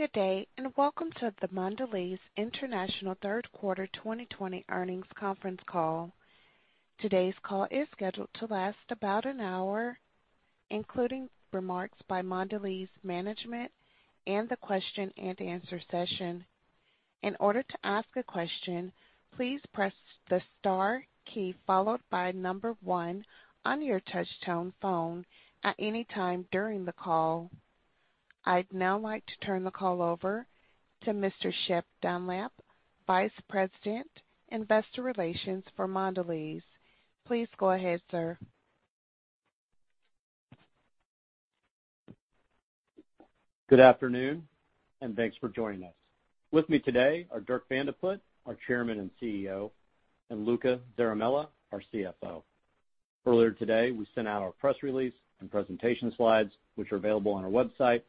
Good day, welcome to the Mondelēz International third quarter 2020 earnings conference call. Today's call is scheduled to last about an hour, including remarks by Mondelēz management and the question-and-answer session. In order to ask a question, please press the star key followed by number one on your touchtone phone at any time during the call. I'd now like to turn the call over to Mr. Shep Dunlap, Vice President, Investor Relations for Mondelēz. Please go ahead, sir. Good afternoon, and thanks for joining us. With me today are Dirk Van de Put, our Chairman and CEO, and Luca Zaramella, our CFO. Earlier today, we sent out our press release and presentation slides, which are available on our website,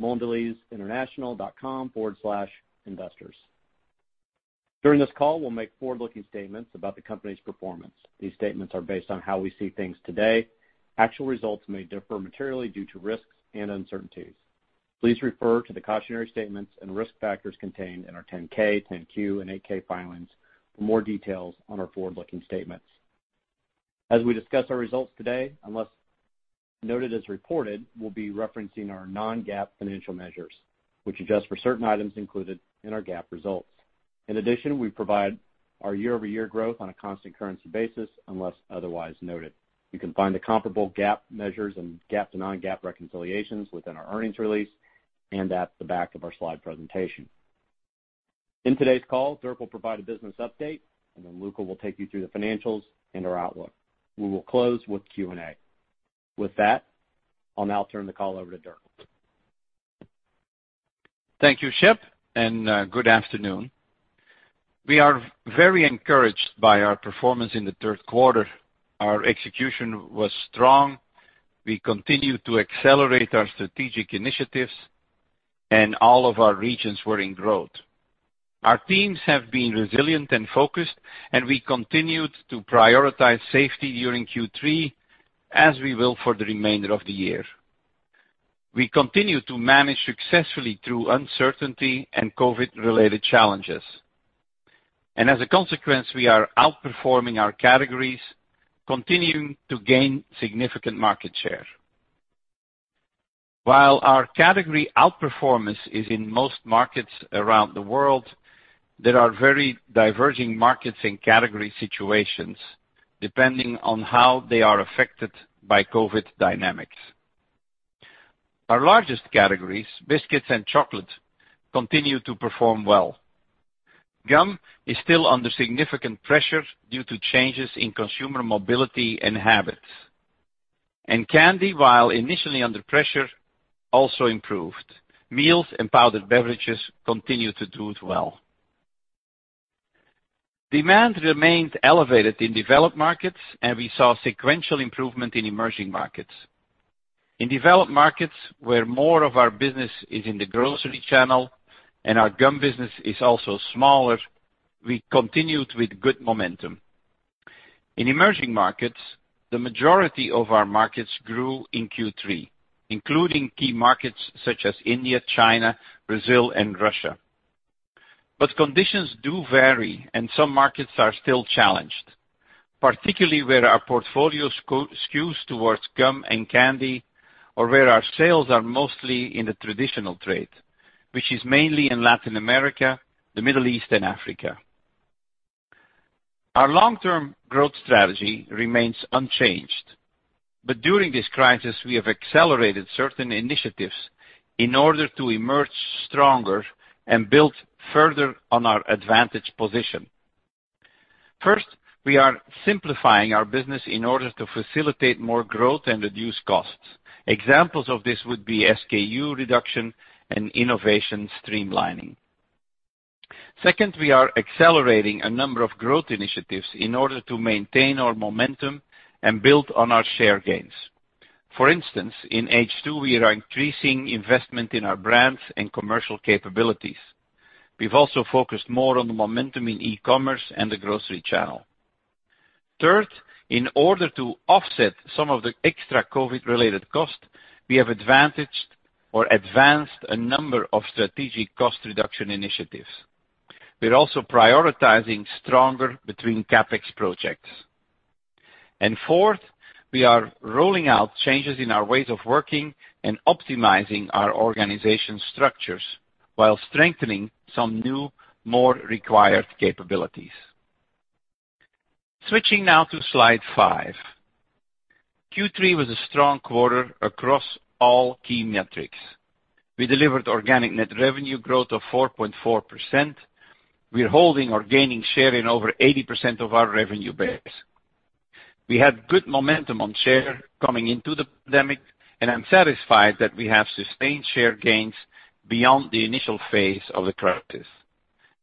mondelezinternational.com/investors. During this call, we'll make forward-looking statements about the company's performance. These statements are based on how we see things today. Actual results may differ materially due to risks and uncertainties. Please refer to the cautionary statements and risk factors contained in our 10-K, 10-Q, and 8-K filings for more details on our forward-looking statements. As we discuss our results today, unless noted as reported, we'll be referencing our non-GAAP financial measures, which adjust for certain items included in our GAAP results. In addition, we provide our year-over-year growth on a constant currency basis, unless otherwise noted. You can find the comparable GAAP measures and GAAP to non-GAAP reconciliations within our earnings release and at the back of our slide presentation. In today's call, Dirk will provide a business update, and then Luca will take you through the financials and our outlook. We will close with Q&A. With that, I'll now turn the call over to Dirk. Thank you, Shep, and good afternoon. We are very encouraged by our performance in the third quarter. Our execution was strong. We continued to accelerate our strategic initiatives, and all of our regions were in growth. Our teams have been resilient and focused, and we continued to prioritize safety during Q3, as we will for the remainder of the year. We continue to manage successfully through uncertainty and COVID-related challenges. As a consequence, we are outperforming our categories, continuing to gain significant market share. While our category outperformance is in most markets around the world, there are very diverging markets and category situations, depending on how they are affected by COVID dynamics. Our largest categories, biscuits and chocolate, continue to perform well. Gum is still under significant pressure due to changes in consumer mobility and habits. Candy, while initially under pressure, also improved. Meals and powdered beverages continue to do well. Demand remained elevated in developed markets, and we saw sequential improvement in emerging markets. In developed markets, where more of our business is in the grocery channel and our gum business is also smaller, we continued with good momentum. In emerging markets, the majority of our markets grew in Q3, including key markets such as India, China, Brazil, and Russia. Conditions do vary, and some markets are still challenged, particularly where our portfolio skews towards gum and candy, or where our sales are mostly in the traditional trade, which is mainly in Latin America, the Middle East, and Africa. Our long-term growth strategy remains unchanged. During this crisis, we have accelerated certain initiatives in order to emerge stronger and build further on our advantage position. First, we are simplifying our business in order to facilitate more growth and reduce costs. Examples of this would be SKU reduction and innovation streamlining. Second, we are accelerating a number of growth initiatives in order to maintain our momentum and build on our share gains. For instance, in H2, we are increasing investment in our brands and commercial capabilities. We've also focused more on the momentum in e-commerce and the grocery channel. Third, in order to offset some of the extra COVID-related costs, we have advantaged or advanced a number of strategic cost reduction initiatives. We're also prioritizing stronger between CapEx projects. Fourth, we are rolling out changes in our ways of working and optimizing our organization structures while strengthening some new, more required capabilities. Switching now to slide five. Q3 was a strong quarter across all key metrics. We delivered organic net revenue growth of 4.4%. We're holding or gaining share in over 80% of our revenue base. We had good momentum on share coming into the pandemic, and I'm satisfied that we have sustained share gains beyond the initial phase of the crisis.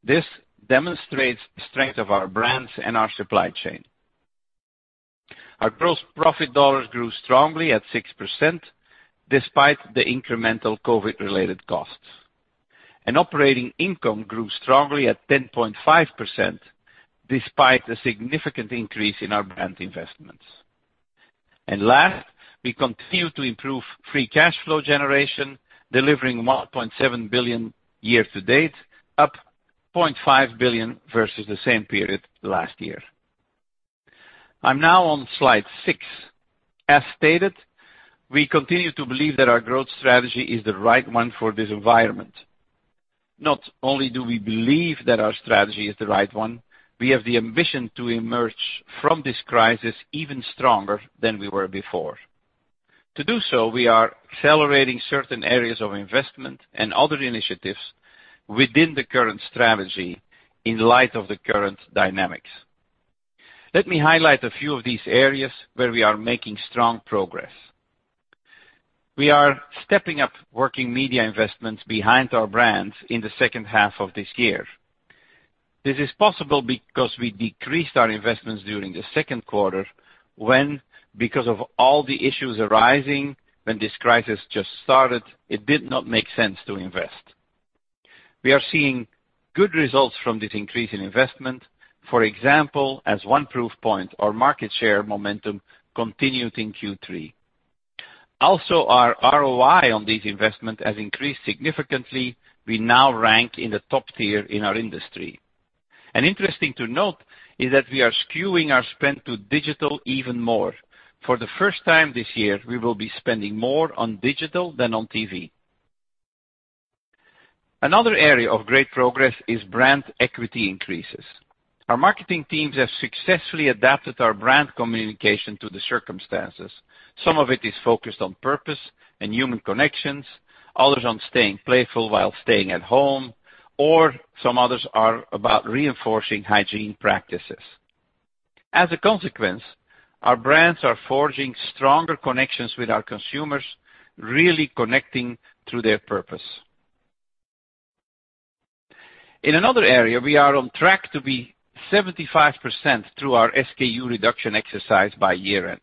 This demonstrates the strength of our brands and our supply chain. Our gross profit dollars grew strongly at 6%, despite the incremental COVID-related costs. Operating income grew strongly at 10.5%, despite the significant increase in our brand investments. Last, we continue to improve free cash flow generation, delivering $1.7 billion year to date, up $0.5 billion versus the same period last year. I'm now on slide six. As stated, we continue to believe that our growth strategy is the right one for this environment. Not only do we believe that our strategy is the right one, we have the ambition to emerge from this crisis even stronger than we were before. To do so, we are accelerating certain areas of investment and other initiatives within the current strategy in light of the current dynamics. Let me highlight a few of these areas where we are making strong progress. We are stepping up working media investments behind our brands in the second half of this year. This is possible because we decreased our investments during the second quarter when, because of all the issues arising when this crisis just started, it did not make sense to invest. We are seeing good results from this increase in investment. For example, as one proof point, our market share momentum continued in Q3. Also, our ROI on this investment has increased significantly. We now rank in the top tier in our industry. Interesting to note is that we are skewing our spend to digital even more. For the first time this year, we will be spending more on digital than on TV. Another area of great progress is brand equity increases. Our marketing teams have successfully adapted our brand communication to the circumstances. Some of it is focused on purpose and human connections, others on staying playful while staying at home, or some others are about reinforcing hygiene practices. As a consequence, our brands are forging stronger connections with our consumers, really connecting to their purpose. In another area, we are on track to be 75% through our SKU reduction exercise by year-end.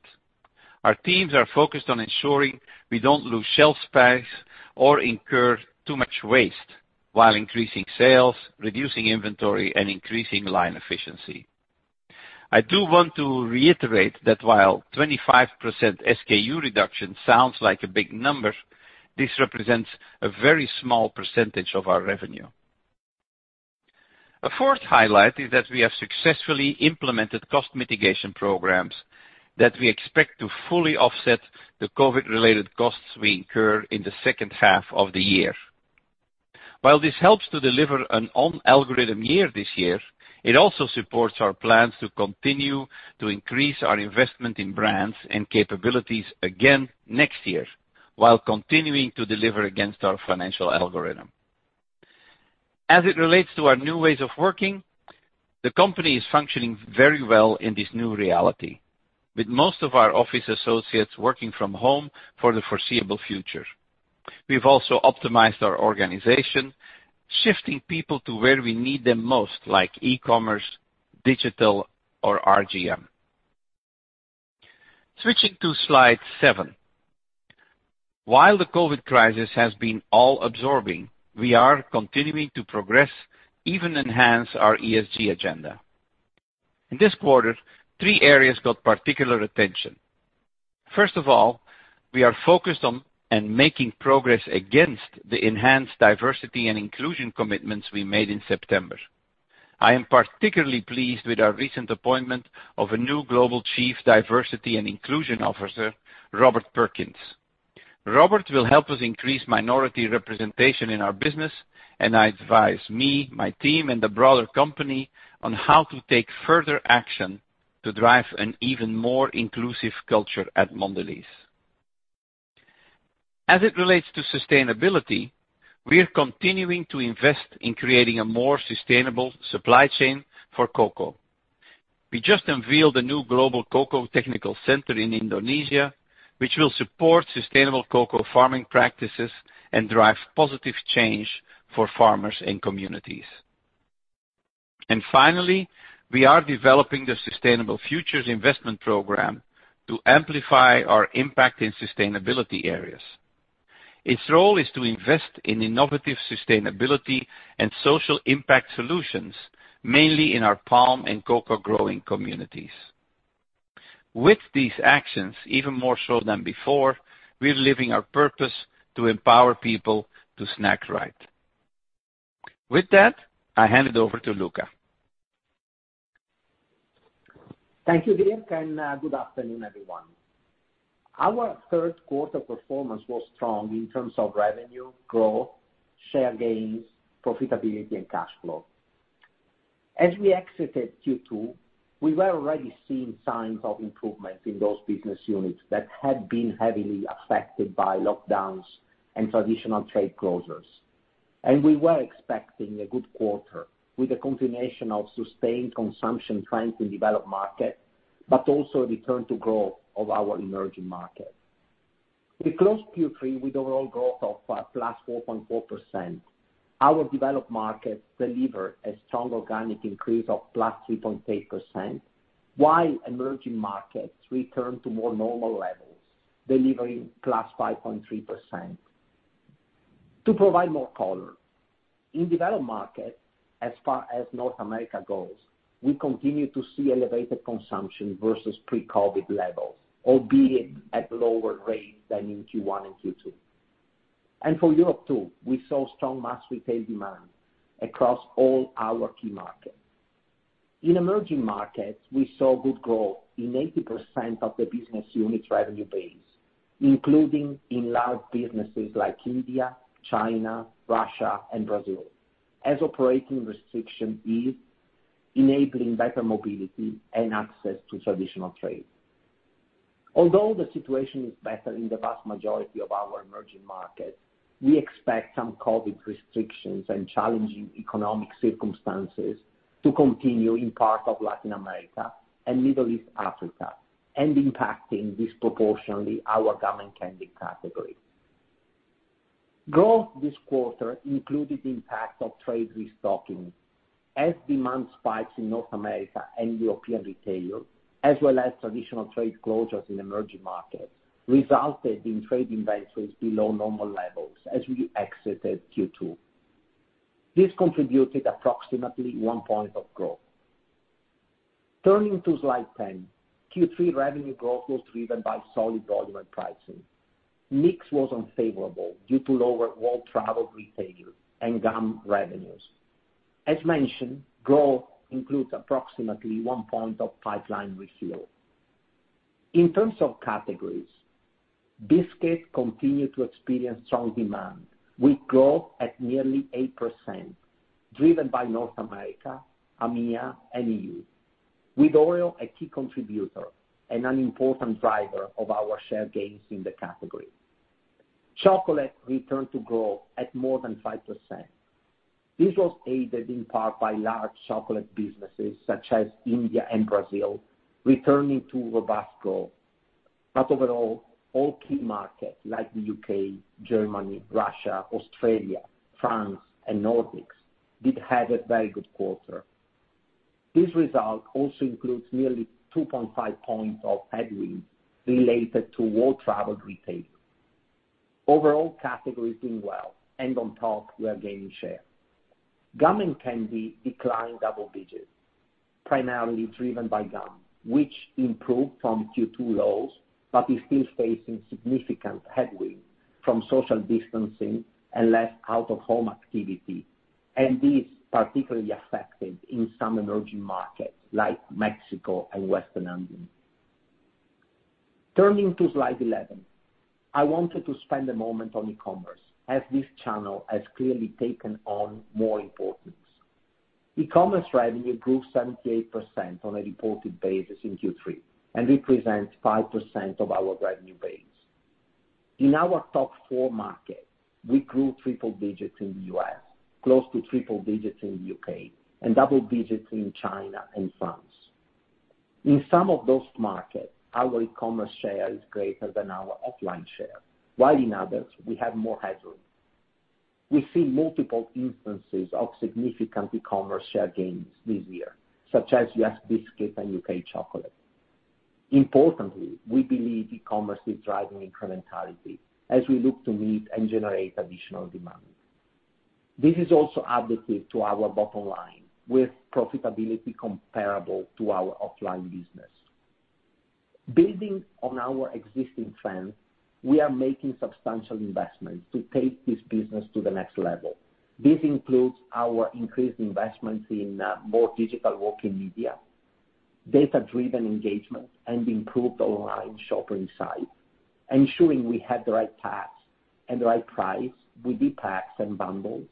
Our teams are focused on ensuring we don't lose shelf space or incur too much waste while increasing sales, reducing inventory, and increasing line efficiency. I do want to reiterate that while 25% SKU reduction sounds like a big number, this represents a very small percentage of our revenue. A fourth highlight is that we have successfully implemented cost mitigation programs that we expect to fully offset the COVID-related costs we incur in the second half of the year. While this helps to deliver an on-algorithm year this year, it also supports our plans to continue to increase our investment in brands and capabilities again next year while continuing to deliver against our financial algorithm. As it relates to our new ways of working, the company is functioning very well in this new reality, with most of our office associates working from home for the foreseeable future. We've also optimized our organization, shifting people to where we need them most, like e-commerce, digital, or RGM. Switching to slide seven. While the COVID crisis has been all-absorbing, we are continuing to progress, even enhance, our ESG agenda. In this quarter, three areas got particular attention. First of all, we are focused on and making progress against the enhanced diversity and inclusion commitments we made in September. I am particularly pleased with our recent appointment of a new Global Chief Diversity and Inclusion Officer, Robert Perkins. Robert will help us increase minority representation in our business, and advise me, my team, and the broader company on how to take further action to drive an even more inclusive culture at Mondelēz. As it relates to sustainability, we are continuing to invest in creating a more sustainable supply chain for cocoa. We just unveiled a new global cocoa technical center in Indonesia, which will support sustainable cocoa farming practices and drive positive change for farmers and communities. Finally, we are developing the Sustainable Futures Investment Program to amplify our impact in sustainability areas. Its role is to invest in innovative sustainability and social impact solutions, mainly in our palm and cocoa-growing communities. With these actions, even more so than before, we're living our purpose to empower people to snack right. With that, I hand it over to Luca. Thank you, Dirk. Good afternoon, everyone. Our third quarter performance was strong in terms of revenue growth, share gains, profitability, and cash flow. As we exited Q2, we were already seeing signs of improvement in those business units that had been heavily affected by lockdowns and traditional trade closures. We were expecting a good quarter with a combination of sustained consumption trends in developed markets, but also the return to growth of our emerging markets. We closed Q3 with overall growth of +4.4%. Our developed markets delivered a strong organic increase of +3.8%, while emerging markets returned to more normal levels, delivering +5.3%. To provide more color, in developed markets, as far as North America goes, we continue to see elevated consumption versus pre-COVID levels, albeit at lower rates than in Q1 and Q2. For Europe, too, we saw strong mass retail demand across all our key markets. In emerging markets, we saw good growth in 80% of the business units revenue base, including in large businesses like India, China, Russia, and Brazil, as operating restriction eased, enabling better mobility and access to traditional trade. Although the situation is better in the vast majority of our emerging markets, we expect some COVID restrictions and challenging economic circumstances to continue in parts of Latin America and Middle East Africa and impacting disproportionately our gum and candy category. Growth this quarter included the impact of trade restocking as demand spikes in North America and European retail, as well as traditional trade closures in emerging markets, resulted in trade inventories below normal levels as we exited Q2. This contributed approximately 1 point of growth. Turning to slide 10, Q3 revenue growth was driven by solid volume and pricing. Mix was unfavorable due to lower world travel retail and gum revenues. As mentioned, growth includes approximately 1 point of pipeline refill. In terms of categories, biscuit continued to experience strong demand with growth at nearly 8%, driven by North America, AMEA, and EU, with Oreo a key contributor and an important driver of our share gains in the category. Chocolate returned to growth at more than 5%. This was aided in part by large chocolate businesses such as India and Brazil returning to robust growth. Overall, all key markets like the U.K., Germany, Russia, Australia, France, and Nordics did have a very good quarter. This result also includes nearly 2.5 points of headwind related to world travel retail. Overall categories doing well, and on top, we are gaining share. Gum and candy declined double digits, primarily driven by gum, which improved from Q2 lows, but is still facing significant headwind from social distancing and less out-of-home activity, and this particularly affected in some emerging markets like Mexico and Western. Turning to slide 11. I wanted to spend a moment on e-commerce, as this channel has clearly taken on more importance. E-commerce revenue grew 78% on a reported basis in Q3 and represents 5% of our revenue base. In our top four markets, we grew triple digits in the U.S., close to triple digits in the U.K., and double digits in China and France. In some of those markets, our e-commerce share is greater than our offline share, while in others, we have more headroom. We see multiple instances of significant e-commerce share gains this year, such as U.S. biscuit and U.K. chocolate. Importantly, we believe e-commerce is driving incrementality as we look to meet and generate additional demand. This is also additive to our bottom line, with profitability comparable to our offline business. Building on our existing trends, we are making substantial investments to take this business to the next level. This includes our increased investments in more digital working media, data-driven engagement, and improved online shopping site, ensuring we have the right paths and the right price with packs and bundles,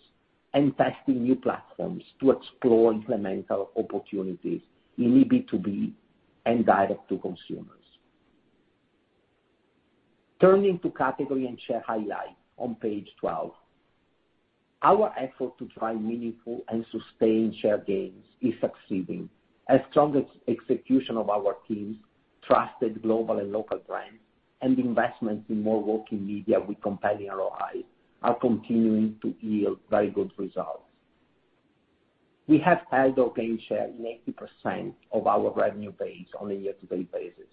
and testing new platforms to explore incremental opportunities in B2B and direct to consumers. Turning to category and share highlights on page 12. Our effort to drive meaningful and sustained share gains is succeeding as strong execution of our team's trusted global and local brands and investments in more working media with compelling ROI are continuing to yield very good results. We have held or gained share in 80% of our revenue base on a year-to-date basis.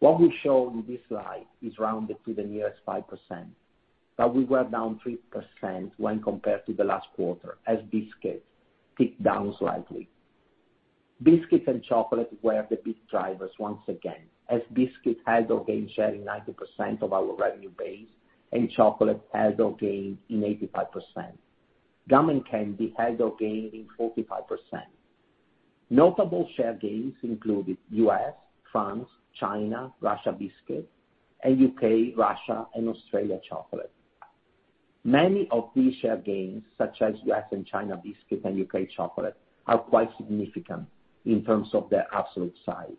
What we show in this slide is rounded to the nearest 5%, but we were down 3% when compared to the last quarter as biscuits ticked down slightly. Biscuits and chocolate were the big drivers once again, as biscuits held or gained share in 90% of our revenue base and chocolate held or gained in 85%. Gum and candy held or gained in 45%. Notable share gains included U.S., France, China biscuit, Russia biscuit, and U.K., Russia, and Australia chocolate. Many of these share gains, such as U.S. and China biscuit and U.K. chocolate, are quite significant in terms of their absolute size.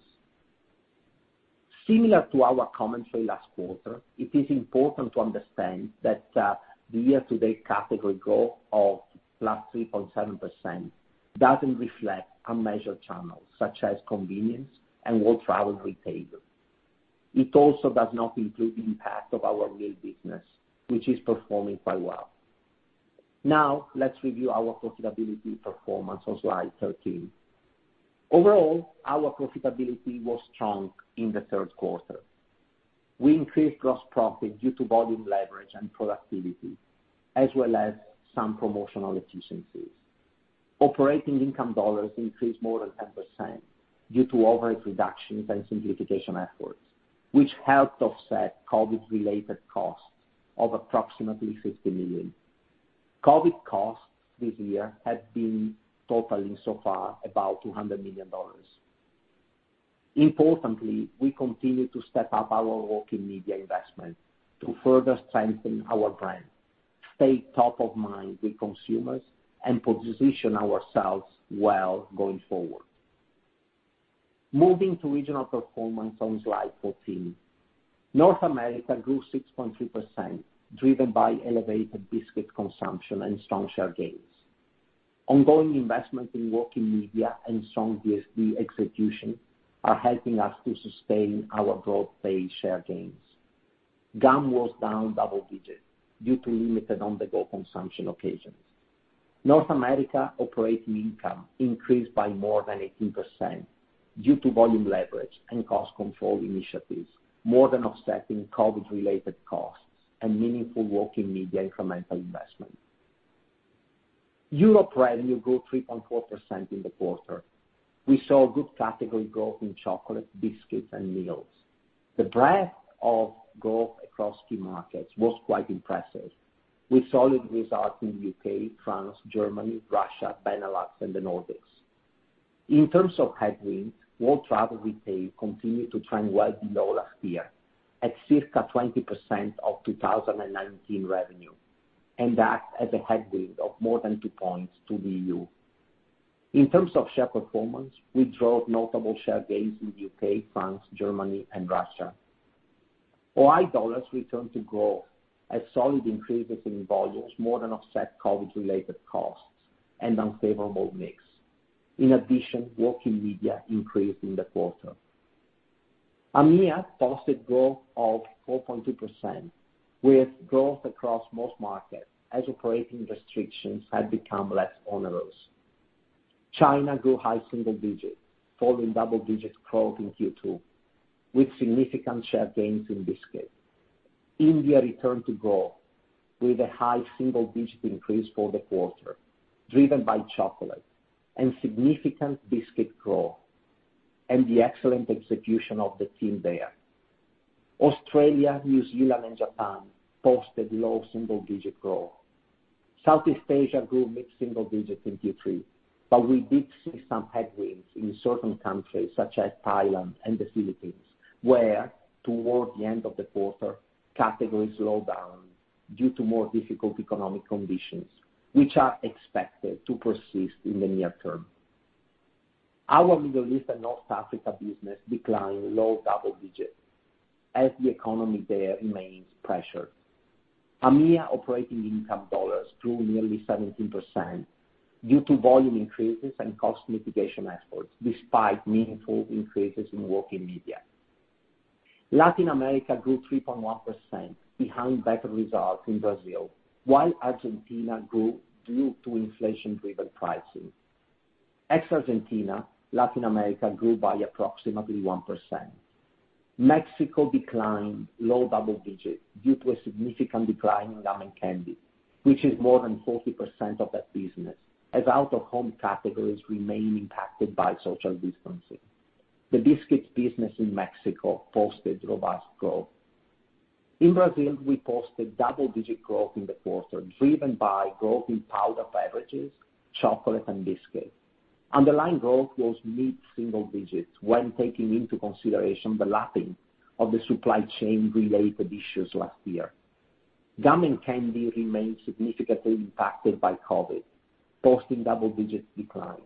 Similar to our commentary last quarter, it is important to understand that the year-to-date category growth of +3.7% doesn't reflect unmeasured channels such as convenience and world travel retail. It also does not include the impact of our meals business, which is performing quite well. Let's review our profitability performance on slide 13. Overall, our profitability was strong in the third quarter. We increased gross profit due to volume leverage and productivity, as well as some promotional efficiencies. Operating income dollars increased more than 10% due to overhead reductions and simplification efforts, which helped offset COVID-related costs of approximately $50 million. COVID costs this year have been totaling so far about $200 million. Importantly, we continue to step up our working media investment to further strengthen our brand, stay top of mind with consumers, and position ourselves well going forward. Moving to regional performance on slide 14. North America grew 6.3%, driven by elevated biscuit consumption and strong share gains. Ongoing investment in working media and strong DSD execution are helping us to sustain our broad-based share gains. Gum was down double digits due to limited on-the-go consumption occasions. North America operating income increased by more than 18% due to volume leverage and cost control initiatives, more than offsetting COVID-related costs and meaningful working media incremental investment. Europe revenue grew 3.4% in the quarter. We saw good category growth in chocolate, biscuits, and meals. The breadth of growth across key markets was quite impressive, with solid results in the U.K., France, Germany, Russia, Benelux, and the Nordics. In terms of headwinds, world travel retail continued to trend well below last year at circa 20% of 2019 revenue, and that as a headwind of more than two points to E.U. In terms of share performance, we drove notable share gains in the U.K., France, Germany, and Russia. OI dollars returned to growth as solid increases in volumes more than offset COVID-related costs and unfavorable mix. In addition, working media increased in the quarter. AMEA posted growth of 4.2% with growth across most markets as operating restrictions have become less onerous. China grew high single digits, following double-digit growth in Q2, with significant share gains in biscuit. India returned to growth with a high single-digit increase for the quarter, driven by chocolate and significant biscuit growth, and the excellent execution of the team there. Australia, New Zealand, and Japan posted low single-digit growth. Southeast Asia grew mid-single digits in Q3. We did see some headwinds in certain countries such as Thailand and the Philippines, where toward the end of the quarter, categories slowed down due to more difficult economic conditions, which are expected to persist in the near term. Our Middle East and North Africa business declined low double digits as the economy there remains pressured. AMEA operating income dollars grew nearly 17% due to volume increases and cost mitigation efforts, despite meaningful increases in working media. Latin America grew 3.1% behind better results in Brazil, while Argentina grew due to inflation-driven pricing. Ex Argentina, Latin America grew by approximately 1%. Mexico declined low double digits due to a significant decline in gum and candy, which is more than 40% of that business, as out-of-home categories remain impacted by social distancing. The biscuits business in Mexico posted robust growth. In Brazil, we posted double-digit growth in the quarter, driven by growth in powder beverages, chocolate, and biscuits. Underlying growth was mid-single digits when taking into consideration the lapping of the supply chain-related issues last year. Gum and candy remains significantly impacted by COVID, posting double-digit declines.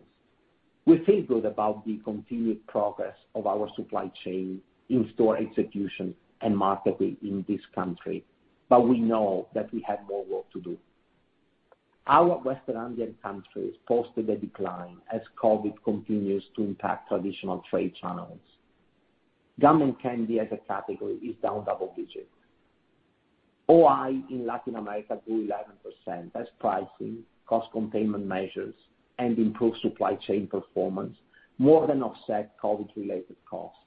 We feel good about the continued progress of our supply chain in store execution and marketing in this country, but we know that we have more work to do. Our Western Andean countries posted a decline as COVID continues to impact traditional trade channels. Gum and candy as a category is down double digits. OI in Latin America grew 11% as pricing, cost containment measures, and improved supply chain performance more than offset COVID-related costs.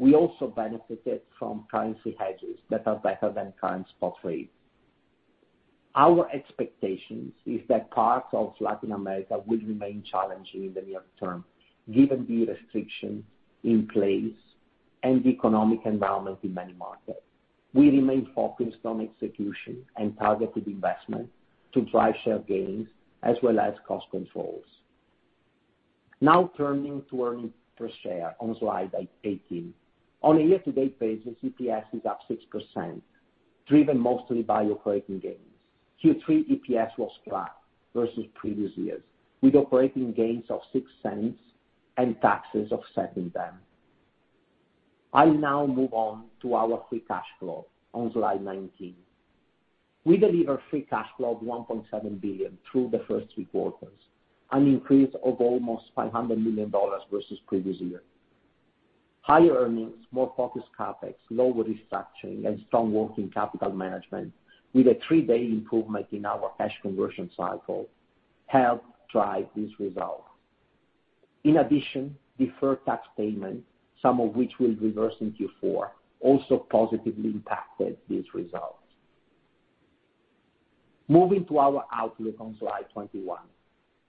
We also benefited from currency hedges that are better than current spot rates. Our expectations is that parts of Latin America will remain challenging in the near term, given the restrictions in place and the economic environment in many markets. We remain focused on execution and targeted investment to drive share gains as well as cost controls. Now turning to earnings per share on slide 18. On a year-to-date basis, EPS is up 6%, driven mostly by operating gains. Q3 EPS was flat versus previous years, with operating gains of $0.06 and taxes offsetting them. I now move on to our free cash flow on slide 19. We delivered free cash flow of $1.7 billion through the first three quarters, an increase of almost $500 million versus previous year. Higher earnings, more focused CapEx, lower restructuring, and strong working capital management with a three-day improvement in our cash conversion cycle helped drive this result. In addition, deferred tax payments, some of which will reverse in Q4, also positively impacted these results. Moving to our outlook on slide 21.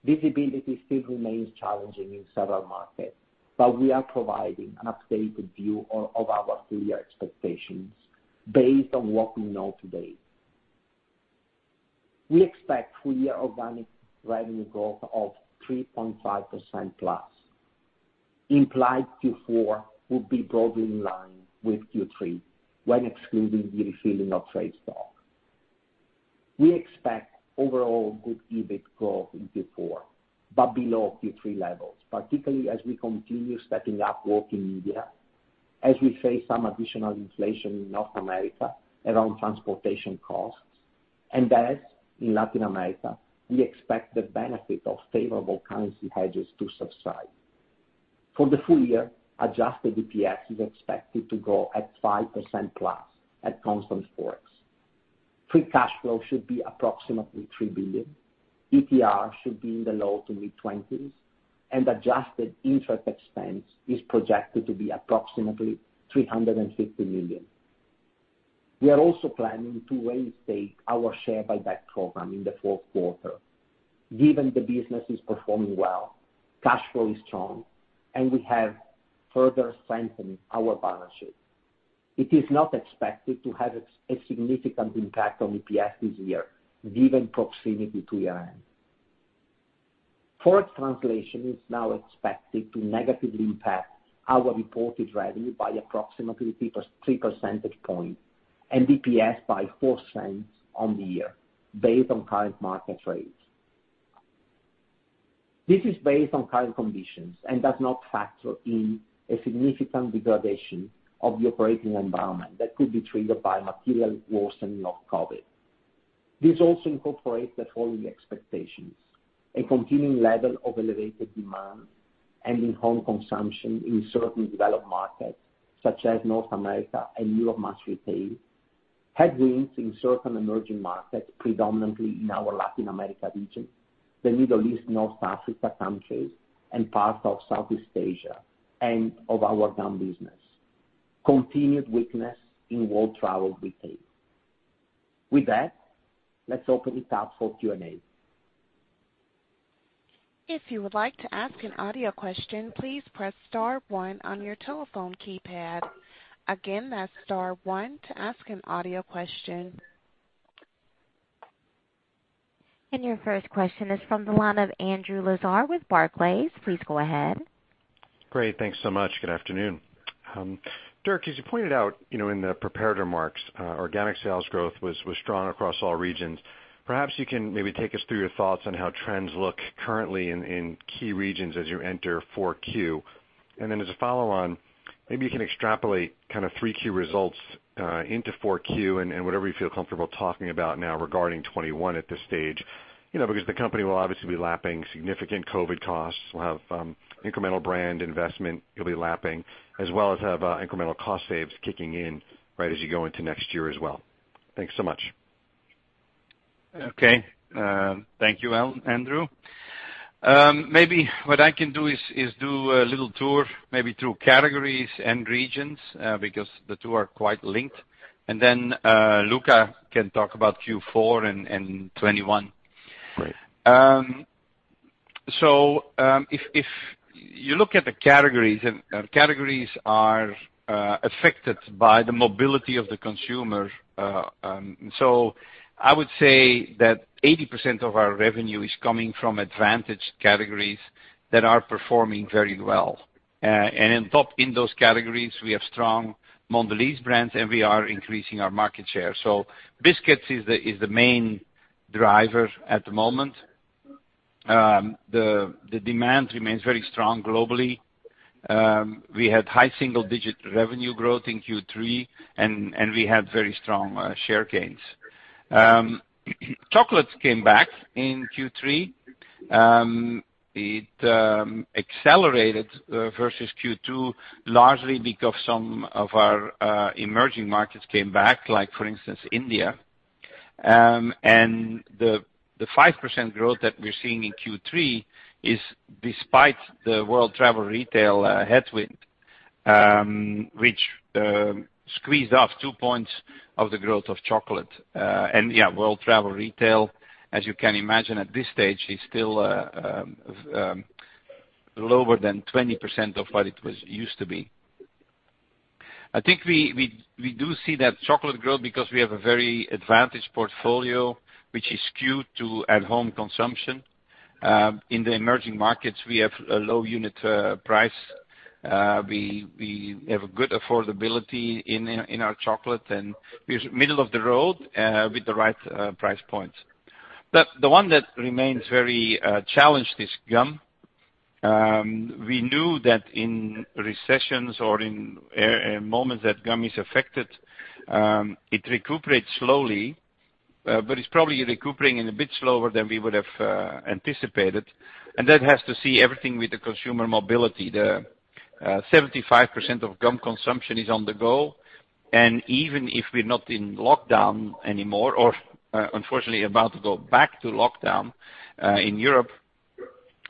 Visibility still remains challenging in several markets. We are providing an updated view of our full-year expectations based on what we know to date. We expect full-year organic revenue growth of 3.5%+. Implied Q4 will be broadly in line with Q3 when excluding the refilling of trade stock. We expect overall good EBIT growth in Q4, but below Q3 levels, particularly as we continue stepping up growth in India, as we face some additional inflation in North America around transportation costs, and as in Latin America, we expect the benefit of favorable currency hedges to subside. For the full year, adjusted EPS is expected to grow at 5%+ at constant forex. Free cash flow should be approximately $3 billion, ETR should be in the low to mid-20s, and adjusted interest expense is projected to be approximately $350 million. We are also planning to reinstate our share buyback program in the fourth quarter, given the business is performing well, cash flow is strong, and we have further strengthened our balance sheet. It is not expected to have a significant impact on EPS this year given proximity to year-end. Forex translation is now expected to negatively impact our reported revenue by approximately 3 percentage points and EPS by $0.04 on the year based on current market rates. This is based on current conditions and does not factor in a significant degradation of the operating environment that could be triggered by material worsening of COVID. This also incorporates the following expectations, a continuing level of elevated demand and in-home consumption in certain developed markets such as North America and Europe mass retail, headwinds in certain emerging markets, predominantly in our Latin America region, the Middle East, North Africa countries, and parts of Southeast Asia and of our gum business. Continued weakness in world travel retail. With that, let's open it up for Q&A. If you would like to ask an audio question, please press star one on your telephone keypad. Again, that's star one to ask an audio question. Your first question is from the line of Andrew Lazar with Barclays. Please go ahead. Great. Thanks so much. Good afternoon. Dirk, as you pointed out in the prepared remarks, organic sales growth was strong across all regions. Perhaps you can maybe take us through your thoughts on how trends look currently in key regions as you enter 4Q. Then as a follow-on, maybe you can extrapolate 3Q results into 4Q and whatever you feel comfortable talking about now regarding 2021 at this stage. The company will obviously be lapping significant COVID costs, will have incremental brand investment it'll be lapping, as well as have incremental cost saves kicking in right as you go into next year as well. Thanks so much. Okay. Thank you, Andrew. Maybe what I can do is do a little tour, maybe through categories and regions, because the two are quite linked, and then Luca can talk about Q4 and 2021. Great. If you look at the categories, and categories are affected by the mobility of the consumer. I would say that 80% of our revenue is coming from advantage categories that are performing very well. In top in those categories, we have strong Mondelēz brands, and we are increasing our market share. Biscuits is the main driver at the moment. The demand remains very strong globally. We had high single-digit revenue growth in Q3, and we had very strong share gains. Chocolate came back in Q3. It accelerated versus Q2, largely because some of our emerging markets came back, like for instance, India. The 5% growth that we're seeing in Q3 is despite the world travel retail headwind, which squeezed off two points of the growth of chocolate. Yeah, world travel retail, as you can imagine at this stage, is still lower than 20% of what it used to be. I think we do see that chocolate growth because we have a very advantaged portfolio which is skewed to at-home consumption. In the emerging markets, we have a low unit price. We have a good affordability in our chocolate, and we are middle of the road with the right price points. The one that remains very challenged is gum. We knew that in recessions or in moments that gum is affected, it recuperates slowly. It's probably recuperating in a bit slower than we would have anticipated. That has to see everything with the consumer mobility. 75% of gum consumption is on the go. Even if we're not in lockdown anymore, or unfortunately about to go back to lockdown in Europe,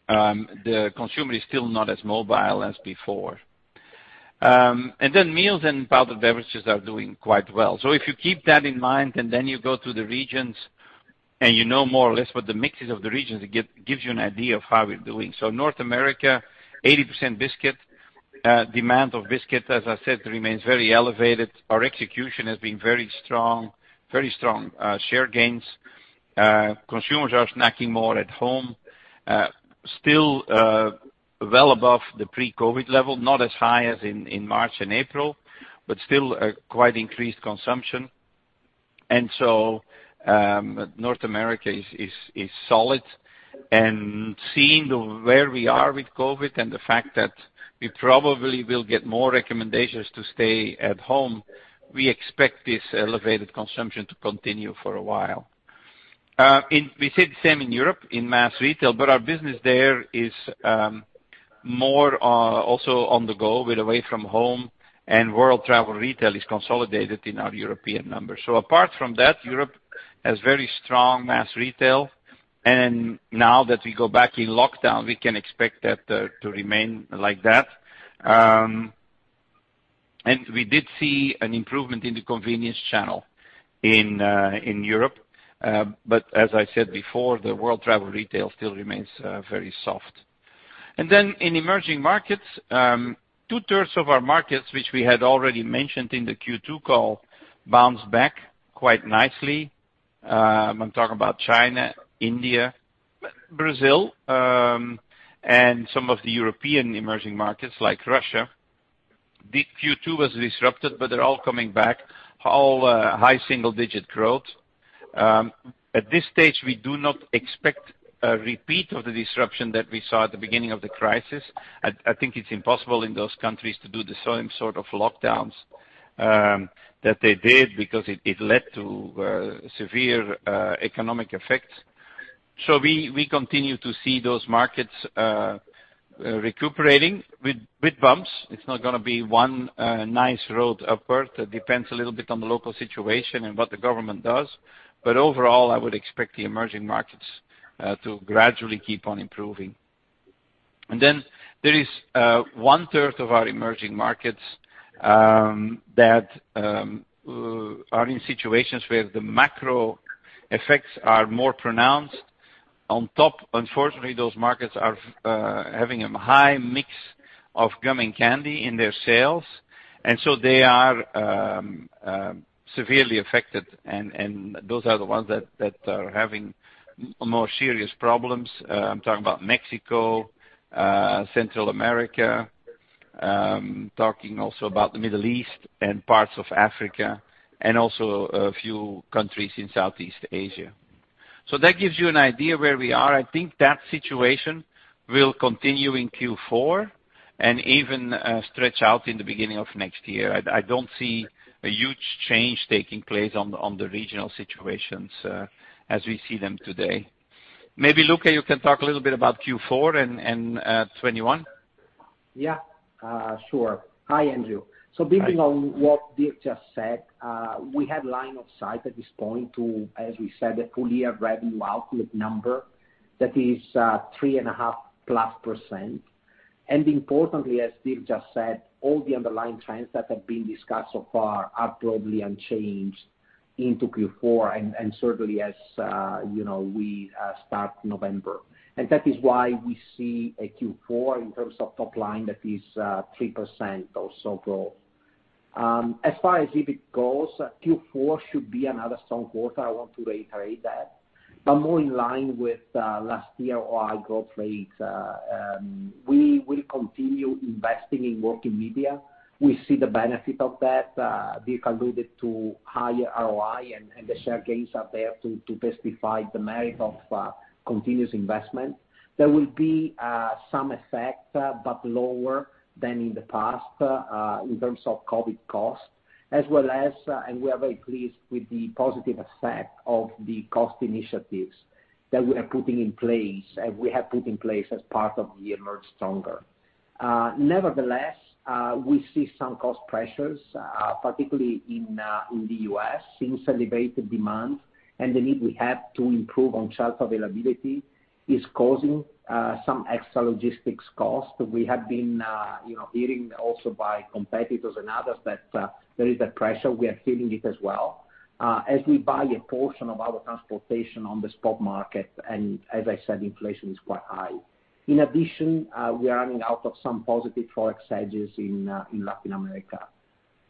the consumer is still not as mobile as before. Meals and powdered beverages are doing quite well. If you keep that in mind and then you go to the regions and you know more or less what the mixes of the regions, it gives you an idea of how we're doing. North America, 80% demand of biscuit, as I said, remains very elevated. Our execution has been very strong. Very strong share gains. Consumers are snacking more at home. Still well above the pre-COVID level, not as high as in March and April, still a quite increased consumption. North America is solid. Seeing where we are with COVID and the fact that we probably will get more recommendations to stay at home, we expect this elevated consumption to continue for a while. We see the same in Europe in mass retail, our business there is more also on the go with away from home, and world travel retail is consolidated in our European numbers. Apart from that, Europe has very strong mass retail, and now that we go back in lockdown, we can expect that to remain like that. We did see an improvement in the convenience channel in Europe. As I said before, the world travel retail still remains very soft. In emerging markets, 2/3s of our markets, which we had already mentioned in the Q2 call, bounced back quite nicely. I am talking about China, India, Brazil, and some of the European emerging markets like Russia. Q2 was disrupted, they are all coming back, all high single-digit growth. At this stage, we do not expect a repeat of the disruption that we saw at the beginning of the crisis. I think it is impossible in those countries to do the same sort of lockdowns that they did because it led to severe economic effects. We continue to see those markets recuperating with bumps. It is not going to be one nice road upward. That depends a little bit on the local situation and what the government does. Overall, I would expect the emerging markets to gradually keep on improving. There is 1/3 of our emerging markets that are in situations where the macro effects are more pronounced. On top, unfortunately, those markets are having a high mix of gum and candy in their sales, they are severely affected, and those are the ones that are having more serious problems. I'm talking about Mexico, Central America. I'm talking also about the Middle East and parts of Africa, a few countries in Southeast Asia. That gives you an idea where we are. I think that situation will continue in Q4 and even stretch out in the beginning of next year. I don't see a huge change taking place on the regional situations as we see them today. Maybe Luca, you can talk a little bit about Q4 and 2021. Yeah, sure. Hi, Andrew. Hi. Building on what Dirk just said, we have line of sight at this point to, as we said, a full year revenue outlook number that is 3.5%+. Importantly, as Dirk just said, all the underlying trends that have been discussed so far are broadly unchanged into Q4, and certainly as we start November. That is why we see a Q4 in terms of top line that is 3% or so growth. As far as EBIT goes, Q4 should be another strong quarter, I want to reiterate that, but more in line with last year ROI growth rates. We will continue investing in working media. We see the benefit of that. Dirk alluded to higher ROI and the share gains are there to testify the merit of continuous investment. There will be some effect, but lower than in the past, in terms of COVID costs, as well as, and we are very pleased with the positive effect of the cost initiatives that we are putting in place and we have put in place as part of the Emerge Stronger. Nevertheless, we see some cost pressures, particularly in the U.S., seeing celebrated demand and the need we have to improve on shelf availability is causing some extra logistics cost. We have been hearing also by competitors and others that there is a pressure. We are feeling it as well. As we buy a portion of our transportation on the spot market, and as I said, inflation is quite high. In addition, we are running out of some positive forex hedges in Latin America.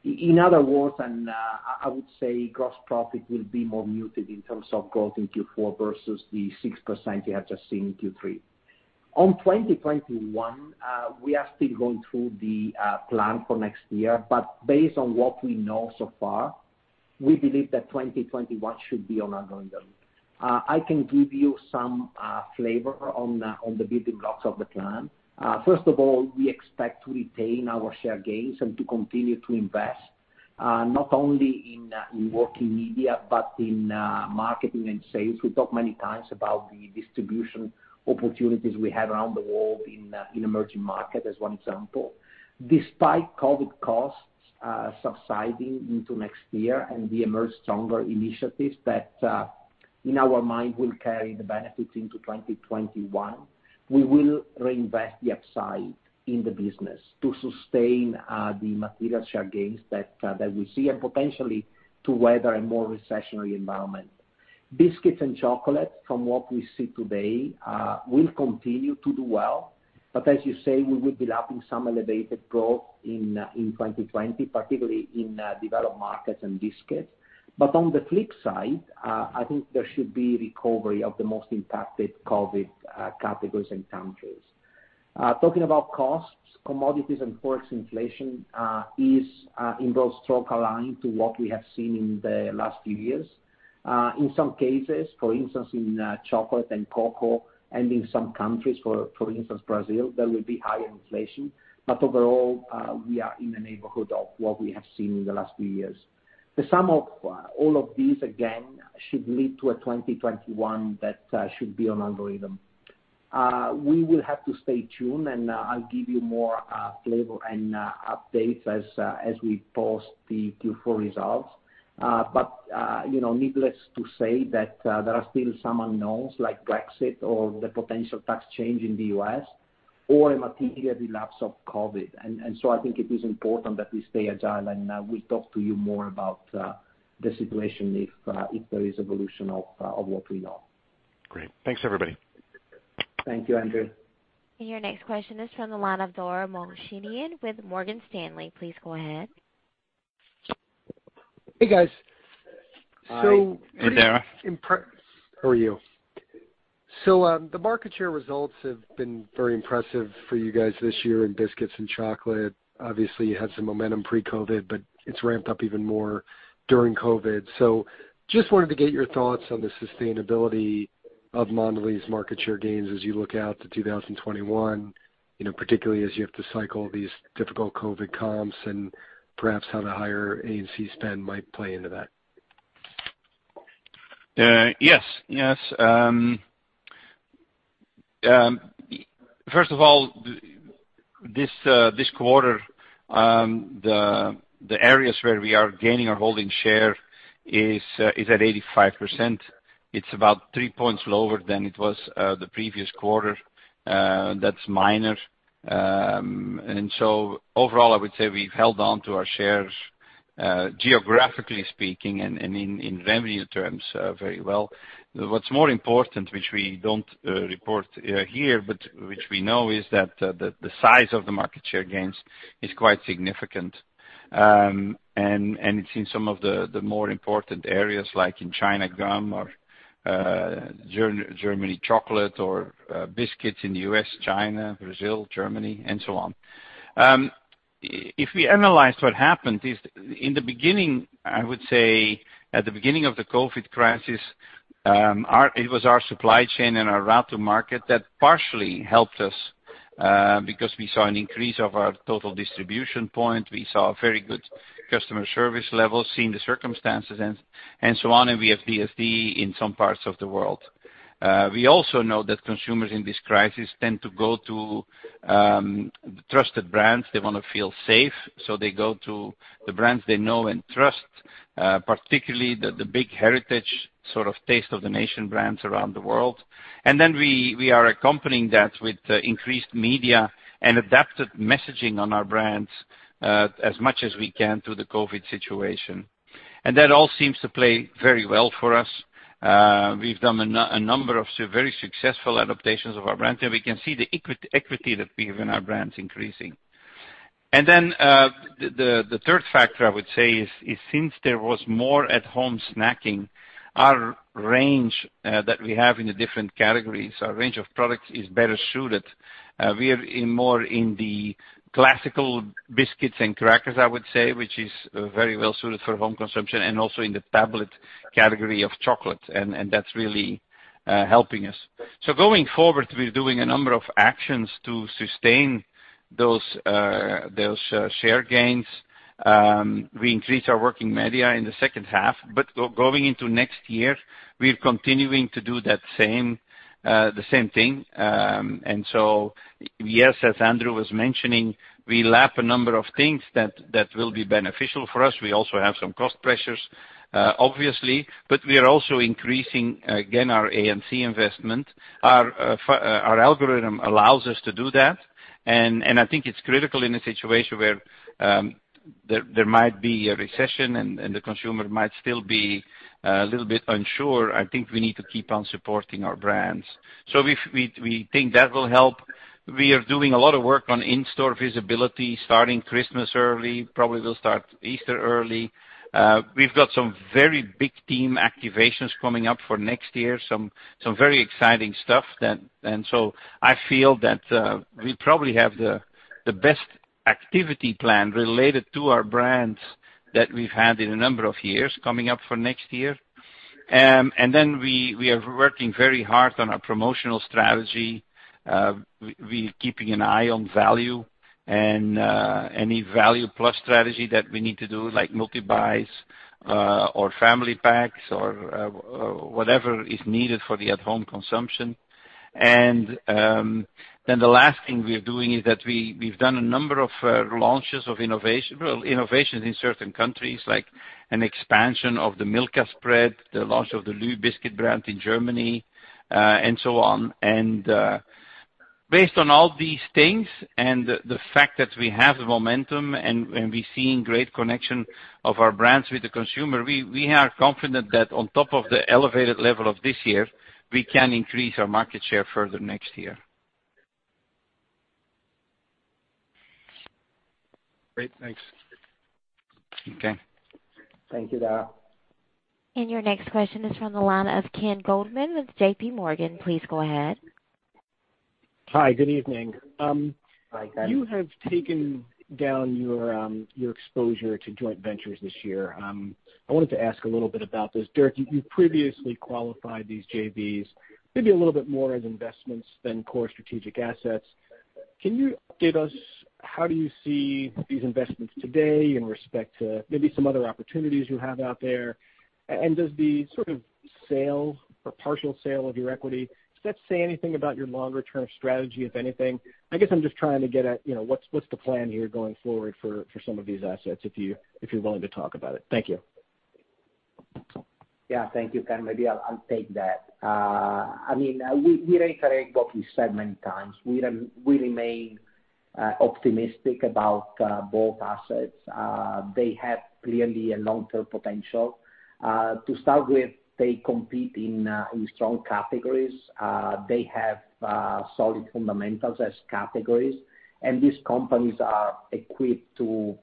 In other words, I would say gross profit will be more muted in terms of growth in Q4 versus the 6% you have just seen in Q3. On 2021, we are still going through the plan for next year, based on what we know so far, we believe that 2021 should be on algorithm. I can give you some flavor on the building blocks of the plan. First of all, we expect to retain our share gains and to continue to invest, not only in working media, but in marketing and sales. We've talked many times about the distribution opportunities we have around the world in emerging markets, as one example. Despite COVID costs subsiding into next year and the Emerge Stronger initiatives that, in our mind, will carry the benefits into 2021, we will reinvest the upside in the business to sustain the material share gains that we see, and potentially to weather a more recessionary environment. Biscuits and chocolate, from what we see today, will continue to do well. As you say, we will be lapping some elevated growth in 2020, particularly in developed markets and biscuits. On the flip side, I think there should be recovery of the most impacted COVID categories and countries. Talking about costs, commodities and forex inflation is in broad strokes aligned to what we have seen in the last few years. In some cases, for instance, in chocolate and cocoa and in some countries, for instance, Brazil, there will be higher inflation. Overall, we are in the neighborhood of what we have seen in the last few years. The sum of all of these, again, should lead to a 2021 that should be on algorithm. We will have to stay tuned, and I'll give you more flavor and updates as we post the Q4 results. Needless to say, that there are still some unknowns like Brexit or the potential tax change in the U.S. or a material relapse of COVID. I think it is important that we stay agile, and we talk to you more about the situation if there is evolution of what we know. Great. Thanks, everybody. Thank you, Andrew. Your next question is from the line of Dara Mohsenian with Morgan Stanley. Please go ahead. Hey, guys. Hi, Dara. How are you? The market share results have been very impressive for you guys this year in biscuits and chocolate. Obviously, you had some momentum pre-COVID, but it's ramped up even more during COVID. Just wanted to get your thoughts on the sustainability of Mondelēz market share gains as you look out to 2021, particularly as you have to cycle these difficult COVID comps and perhaps how the higher A&C spend might play into that. Yes. First of all, this quarter, the areas where we are gaining or holding share is at 85%. It's about 3 points lower than it was the previous quarter. That's minor. Overall, I would say we've held on to our shares, geographically speaking and in revenue terms, very well. What's more important, which we don't report here, but which we know, is that the size of the market share gains is quite significant. It's in some of the more important areas like in China biscuit or Germany chocolate or biscuits in the U.S., China, Brazil, Germany, and so on. If we analyze what happened, in the beginning, I would say, at the beginning of the COVID crisis, it was our supply chain and our route to market that partially helped us because we saw an increase of our total distribution point. We saw very good customer service levels given the circumstances and so on, and we have DSD in some parts of the world. We also know that consumers in this crisis tend to go to trusted brands. They want to feel safe, so they go to the brands they know and trust, particularly the big heritage sort of taste of the nation brands around the world. Then we are accompanying that with increased media and adapted messaging on our brands as much as we can through the COVID situation. That all seems to play very well for us. We've done a number of very successful adaptations of our brand, and we can see the equity that we have in our brands increasing. Then the third factor I would say is since there was more at-home snacking, our range that we have in the different categories, our range of products is better suited. We are more in the classical biscuits and crackers, I would say, which is very well-suited for home consumption, and also in the tablet category of chocolate, and that's really helping us. Going forward, we're doing a number of actions to sustain those share gains. We increased our working media in the second half, but going into next year, we are continuing to do the same thing. Yes, as Andrew was mentioning, we lap a number of things that will be beneficial for us. We also have some cost pressures, obviously, but we are also increasing, again, our A&C investment. Our algorithm allows us to do that, I think it's critical in a situation where there might be a recession and the consumer might still be a little bit unsure. I think we need to keep on supporting our brands. We think that will help. We are doing a lot of work on in-store visibility, starting Christmas early, probably will start Easter early. We've got some very big team activations coming up for next year, some very exciting stuff. I feel that we probably have the best activity plan related to our brands that we've had in a number of years coming up for next year. We are working very hard on our promotional strategy. We're keeping an eye on value and any value plus strategy that we need to do, like multi-buys or family packs or whatever is needed for the at-home consumption. The last thing we're doing is that we've done a number of launches of innovations in certain countries, like an expansion of the Milka spread, the launch of the LU biscuit brand in Germany, and so on. Based on all these things and the fact that we have momentum and we're seeing great connection of our brands with the consumer, we are confident that on top of the elevated level of this year, we can increase our market share further next year. Great. Thanks. Okay. Thank you, Dara. Your next question is from the line of Ken Goldman with JPMorgan. Please go ahead. Hi, good evening. Hi, Ken. You have taken down your exposure to joint ventures this year. I wanted to ask a little bit about this. Dirk, you previously qualified these JVs, maybe a little bit more as investments than core strategic assets. Can you update us, how do you see these investments today in respect to maybe some other opportunities you have out there? Does the sort of sale or partial sale of your equity, does that say anything about your longer-term strategy, if anything? I guess I'm just trying to get at what's the plan here going forward for some of these assets, if you're willing to talk about it. Thank you. Thank you, Ken. Maybe I'll take that. We reiterate what we said many times. We remain optimistic about both assets. They have clearly a long-term potential. To start with, they compete in strong categories. They have solid fundamentals as categories, and these companies are equipped to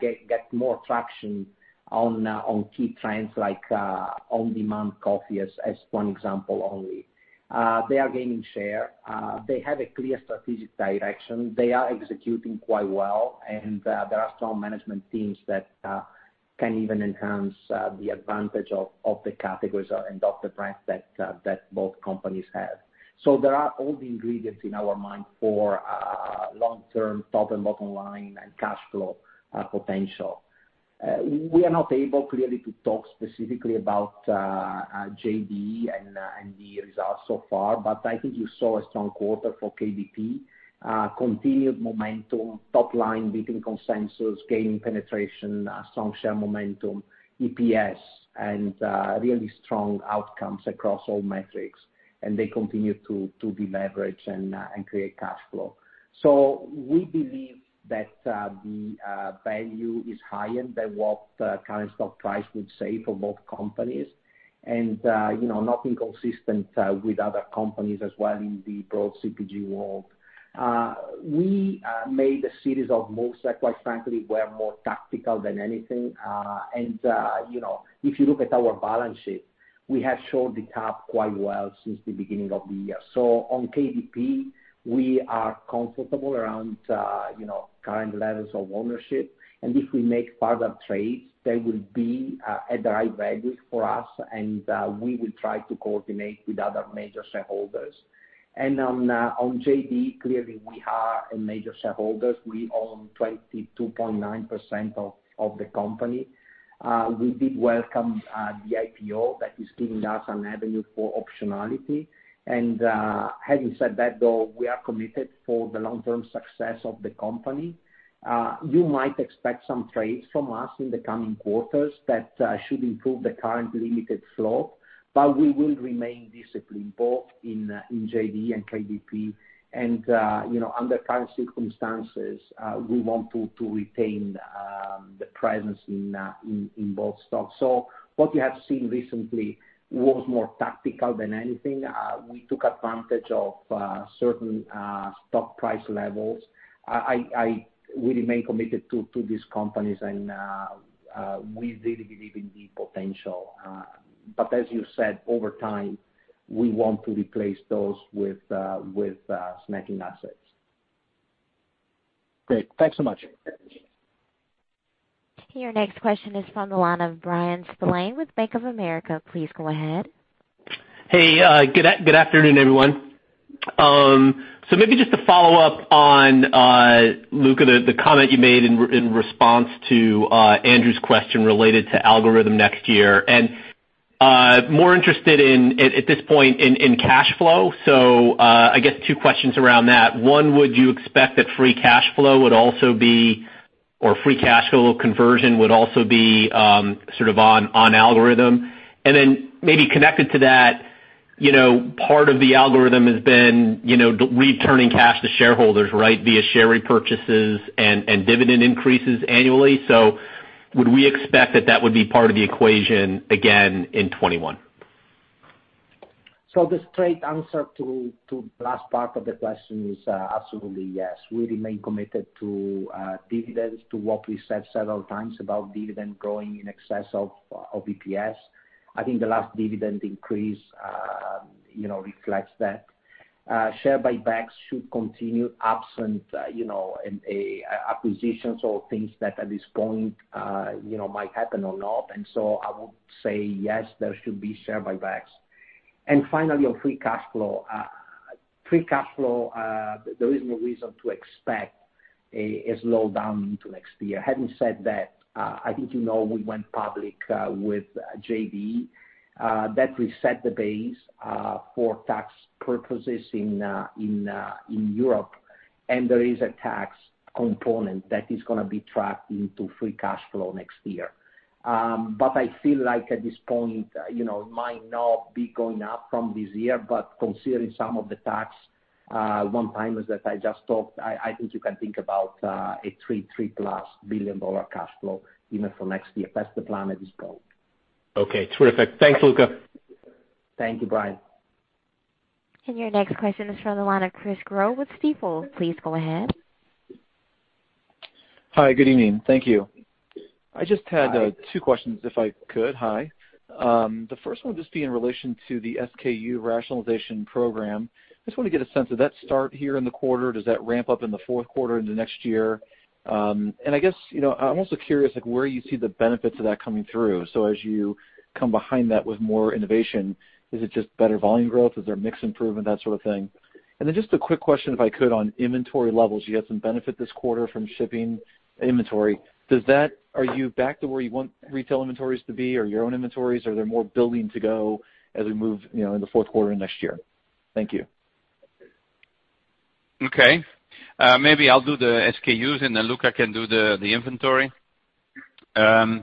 get more traction on key trends like on-demand coffee as one example only. They are gaining share. They have a clear strategic direction. They are executing quite well, and there are strong management teams that can even enhance the advantage of the categories and of the brands that both companies have. There are all the ingredients in our mind for long-term top and bottom line and cash flow potential. We are not able, clearly, to talk specifically about JDE and the results so far, but I think you saw a strong quarter for KDP. Continued momentum, top line between consensus, gaining penetration, strong share momentum, EPS, and really strong outcomes across all metrics, and they continue to deleverage and create cash flow. We believe that the value is higher than what current stock price would say for both companies and nothing consistent with other companies as well in the broad CPG world. We made a series of moves that, quite frankly, were more tactical than anything. If you look at our balance sheet, we have shored the cap quite well since the beginning of the year. On KDP, we are comfortable around current levels of ownership, and if we make further trades, they will be at the right values for us, and we will try to coordinate with other major shareholders. On JDE, clearly, we are a major shareholder. We own 22.9% of the company. We did welcome the IPO that is giving us an avenue for optionality. Having said that, though, we are committed for the long-term success of the company. You might expect some trades from us in the coming quarters that should improve the current limited flow, but we will remain disciplined both in JDE and KDP. Under current circumstances, we want to retain the presence in both stocks. What you have seen recently was more tactical than anything. We took advantage of certain stock price levels. We remain committed to these companies, and we really believe in the potential. As you said, over time, we want to replace those with snacking assets. Great. Thanks so much. Your next question is from the line of Bryan Spillane with Bank of America. Please go ahead. Hey, good afternoon, everyone. Maybe just to follow up on, Luca, the comment you made in response to Andrew's question related to algorithm next year, and more interested at this point in cash flow. I guess two questions around that. One, would you expect that free cash flow would also be, or free cash flow conversion would also be sort of on algorithm? And then maybe connected to that, part of the algorithm has been returning cash to shareholders, right, via share repurchases and dividend increases annually. Would we expect that that would be part of the equation again in 2021? The straight answer to the last part of the question is absolutely yes. We remain committed to dividends, to what we said several times about dividend growing in excess of EPS. I think the last dividend increase reflects that. Share buybacks should continue absent acquisitions or things that at this point might happen or not. I would say yes, there should be share buybacks. Finally, on free cash flow. Free cash flow, there is no reason to expect a slowdown into next year. Having said that, I think you know we went public with JDE. That reset the base for tax purposes in Europe, and there is a tax component that is going to be tracked into free cash flow next year. I feel like at this point, it might not be going up from this year but considering some of the tax one-timers that I just talked, I think you can think about a $3+ billion cash flow even for next year. That's the plan at this point. Okay, terrific. Thanks, Luca. Thank you, Bryan. Your next question is from the line of Chris Growe with Stifel. Please go ahead. Hi, good evening. Thank you. Hi. I just had two questions, if I could. Hi. The first one would just be in relation to the SKU rationalization program. I just want to get a sense of that start here in the quarter. Does that ramp up in the fourth quarter into next year? I guess, I'm also curious, like, where you see the benefits of that coming through. As you come behind that with more innovation, is it just better volume growth? Is there mix improvement, that sort of thing? Just a quick question, if I could, on inventory levels. You had some benefit this quarter from shipping inventory. Are you back to where you want retail inventories to be or your own inventories? Are there more building to go as we move in the fourth quarter and next year? Thank you. Okay. Maybe I'll do the SKUs and then Luca can do the inventory. The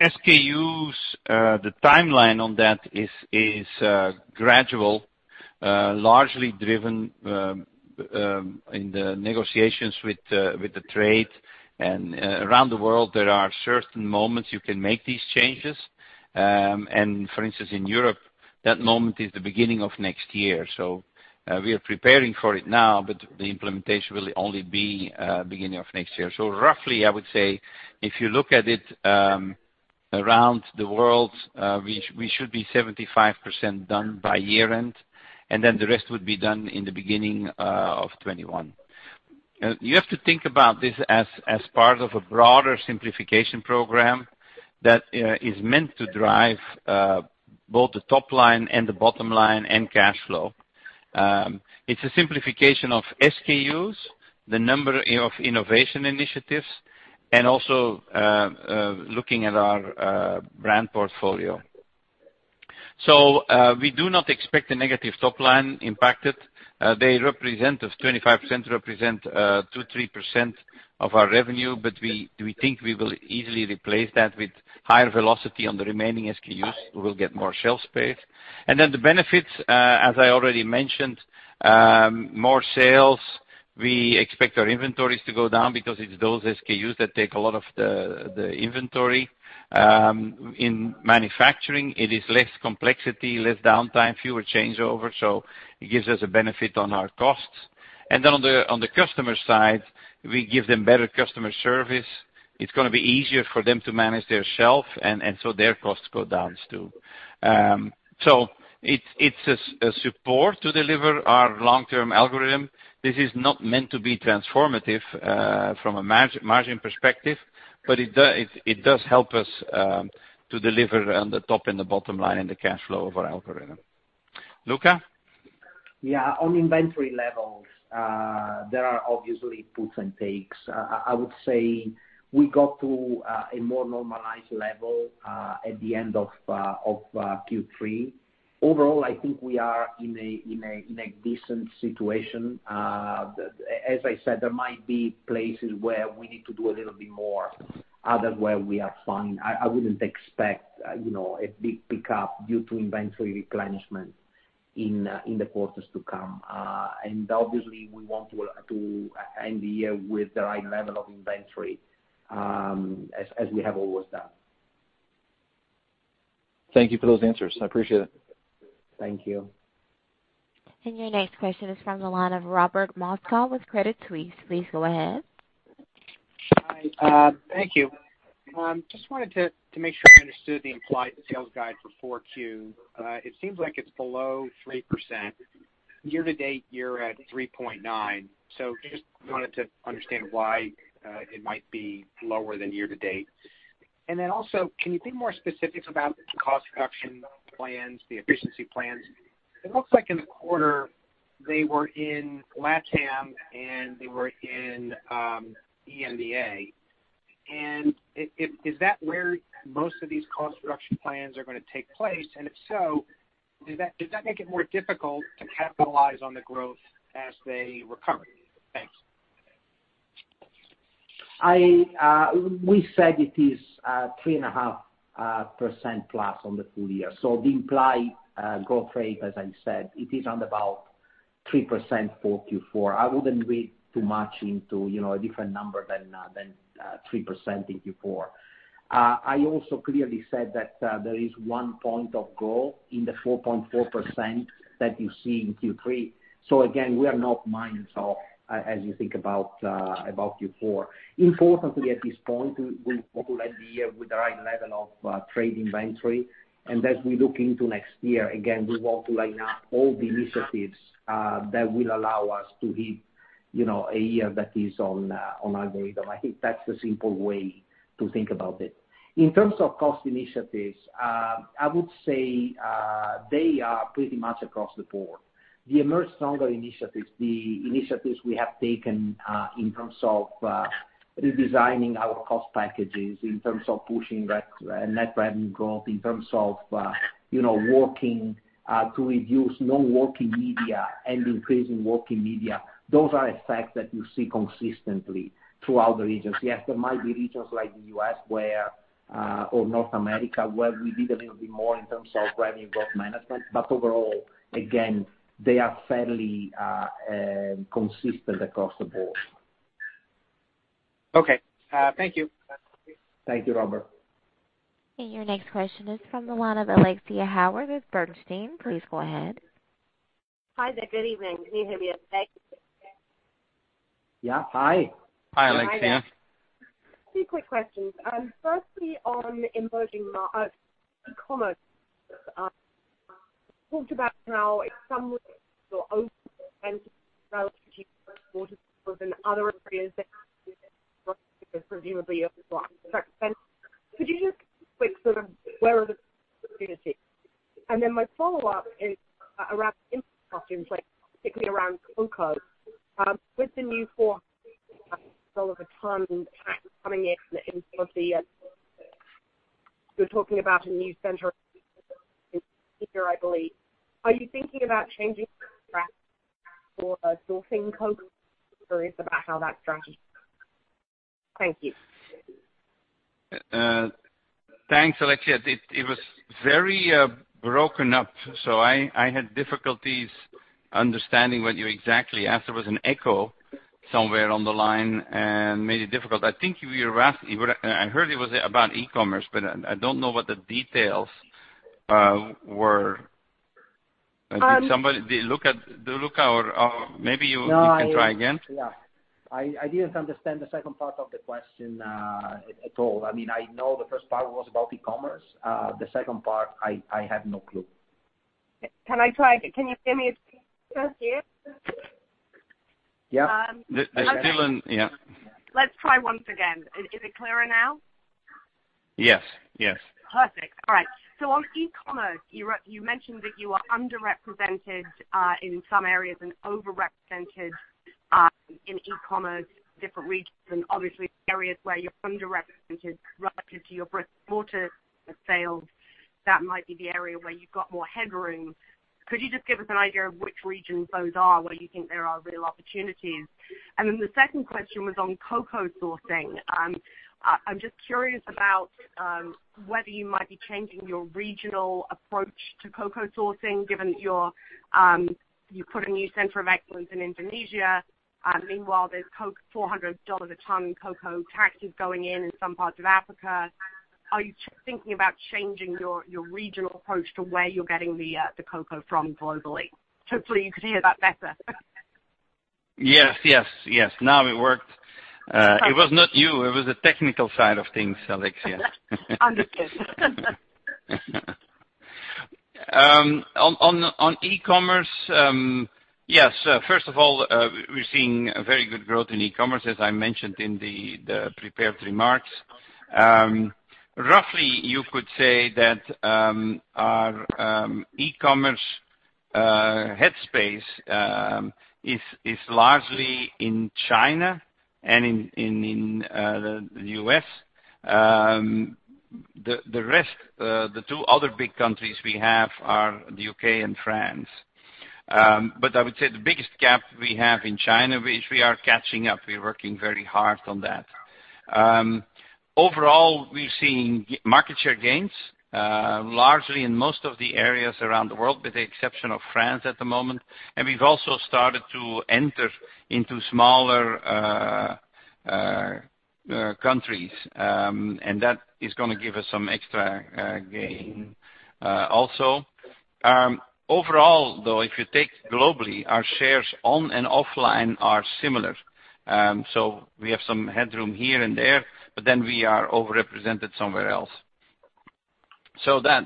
SKUs, the timeline on that is gradual, largely driven in the negotiations with the trade. Around the world, there are certain moments you can make these changes. For instance, in Europe, that moment is the beginning of next year. We are preparing for it now, but the implementation will only be beginning of next year. Roughly, I would say, if you look at it around the world, we should be 75% done by year-end, and then the rest would be done in the beginning of 2021. You have to think about this as part of a broader simplification program that is meant to drive both the top line and the bottom line and cash flow. It's a simplification of SKUs, the number of innovation initiatives, and also looking at our brand portfolio. We do not expect a negative top line impacted. Those 25% represent 2%, 3% of our revenue, but we think we will easily replace that with higher velocity on the remaining SKUs. We will get more shelf space. The benefits, as I already mentioned, more sales. We expect our inventories to go down because it's those SKUs that take a lot of the inventory. In manufacturing, it is less complexity, less downtime, fewer changeovers, so it gives us a benefit on our costs. On the customer side, we give them better customer service. It's going to be easier for them to manage their shelf, and so their costs go down, too. It's a support to deliver our long-term algorithm. This is not meant to be transformative from a margin perspective, but it does help us to deliver on the top and the bottom line and the cash flow of our algorithm. Luca? Yeah. On inventory levels, there are obviously puts and takes. I would say we got to a more normalized level at the end of Q3. Overall, I think we are in a decent situation. As I said, there might be places where we need to do a little bit more. Others where we are fine. I wouldn't expect a big pickup due to inventory replenishment in the quarters to come. Obviously, we want to end the year with the right level of inventory as we have always done. Thank you for those answers. I appreciate it. Thank you. Your next question is from the line of Robert Moskow with Credit Suisse. Please go ahead. Hi. Thank you. Just wanted to make sure I understood the implied sales guide for 4Q. It seems like it's below 3%. Year to date, you're at 3.9%. Just wanted to understand why it might be lower than year to date. Can you be more specific about the cost reduction plans, the efficiency plans? It looks like in the quarter they were in LatAm and they were in AMEA. Is that where most of these cost reduction plans are going to take place? If so, does that make it more difficult to capitalize on the growth as they recover? Thanks. We said it is 3.5%+ on the full year. The implied growth rate, as I said, it is around about 3% for Q4. I wouldn't read too much into a different number than 3% in Q4. I also clearly said that there is one point of growth in the 4.4% that you see in Q3. Again, we are not minus as you think about Q4. Importantly at this point, we populate the year with the right level of trade inventory, and as we look into next year, again, we want to line up all the initiatives that will allow us to hit a year that is on our radar. I think that's the simple way to think about it. In terms of cost initiatives, I would say, they are pretty much across the board. The Emerge Stronger initiatives, the initiatives we have taken in terms of redesigning our cost packages, in terms of pushing net revenue growth, in terms of working to reduce non-working media and increasing working media, those are effects that you see consistently throughout the regions. Yes, there might be regions like the U.S. or North America, where we did a little bit more in terms of revenue growth management. Overall, again, they are fairly consistent across the board. Okay. Thank you. Thank you, Robert. Your next question is from the one of Alexia Howard with Bernstein. Please go ahead. Hi there. Good evening. Can you hear me okay? Yeah. Hi. Hi, Alexia. Two quick questions. Firstly, on emerging markets, e-commerce. You talked about how in some ways you're over-represented relative to your brick-and-mortar stores and other areas that have presumably oversupply. Could you just quick sort of where are the opportunities? Then my follow-up is around input costs, like particularly around cocoa. With the new $4 a ton coming in, you're talking about a new center I believe. Are you thinking about changing your sourcing cocoa? Curious about how that strategy. Thank you. Thanks, Alexia. It was very broken up, so I had difficulties understanding what you exactly asked. There was an echo somewhere on the line and made it difficult. I heard it was about e-commerce, but I don't know what the details were. Luca, maybe you can try again. Yeah. I didn't understand the second part of the question at all. I know the first part was about e-commerce. The second part, I have no clue. Can I try again? Can you hear me here? Yeah. It's still an... Yeah. Let's try once again. Is it clearer now? Yes. Perfect. All right. On e-commerce, you mentioned that you are underrepresented in some areas and overrepresented in e-commerce, different regions, and obviously areas where you're underrepresented relative to your brick-and-mortar sales. That might be the area where you've got more headroom. Could you just give us an idea of which regions those are, where you think there are real opportunities? The second question was on cocoa sourcing. I'm just curious about whether you might be changing your regional approach to cocoa sourcing, given that you put a new center of excellence in Indonesia. Meanwhile, there's cocoa, $400 a ton cocoa taxes going in some parts of Africa. Are you thinking about changing your regional approach to where you're getting the cocoa from globally? Hopefully, you could hear that better. Yes. Now it worked. It was not you, it was the technical side of things, Alexia. Understood. On e-commerce, yes, first of all, we're seeing a very good growth in e-commerce, as I mentioned in the prepared remarks. Roughly, you could say that our e-commerce headspace is largely in China and in the U.S. The rest, the two other big countries we have are the U.K. and France. I would say the biggest gap we have in China, which we are catching up. We are working very hard on that. Overall, we're seeing market share gains, largely in most of the areas around the world, with the exception of France at the moment. We've also started to enter into smaller countries. That is going to give us some extra gain also. Overall, though, if you take globally, our shares on and offline are similar. We have some headroom here and there, but then we are overrepresented somewhere else.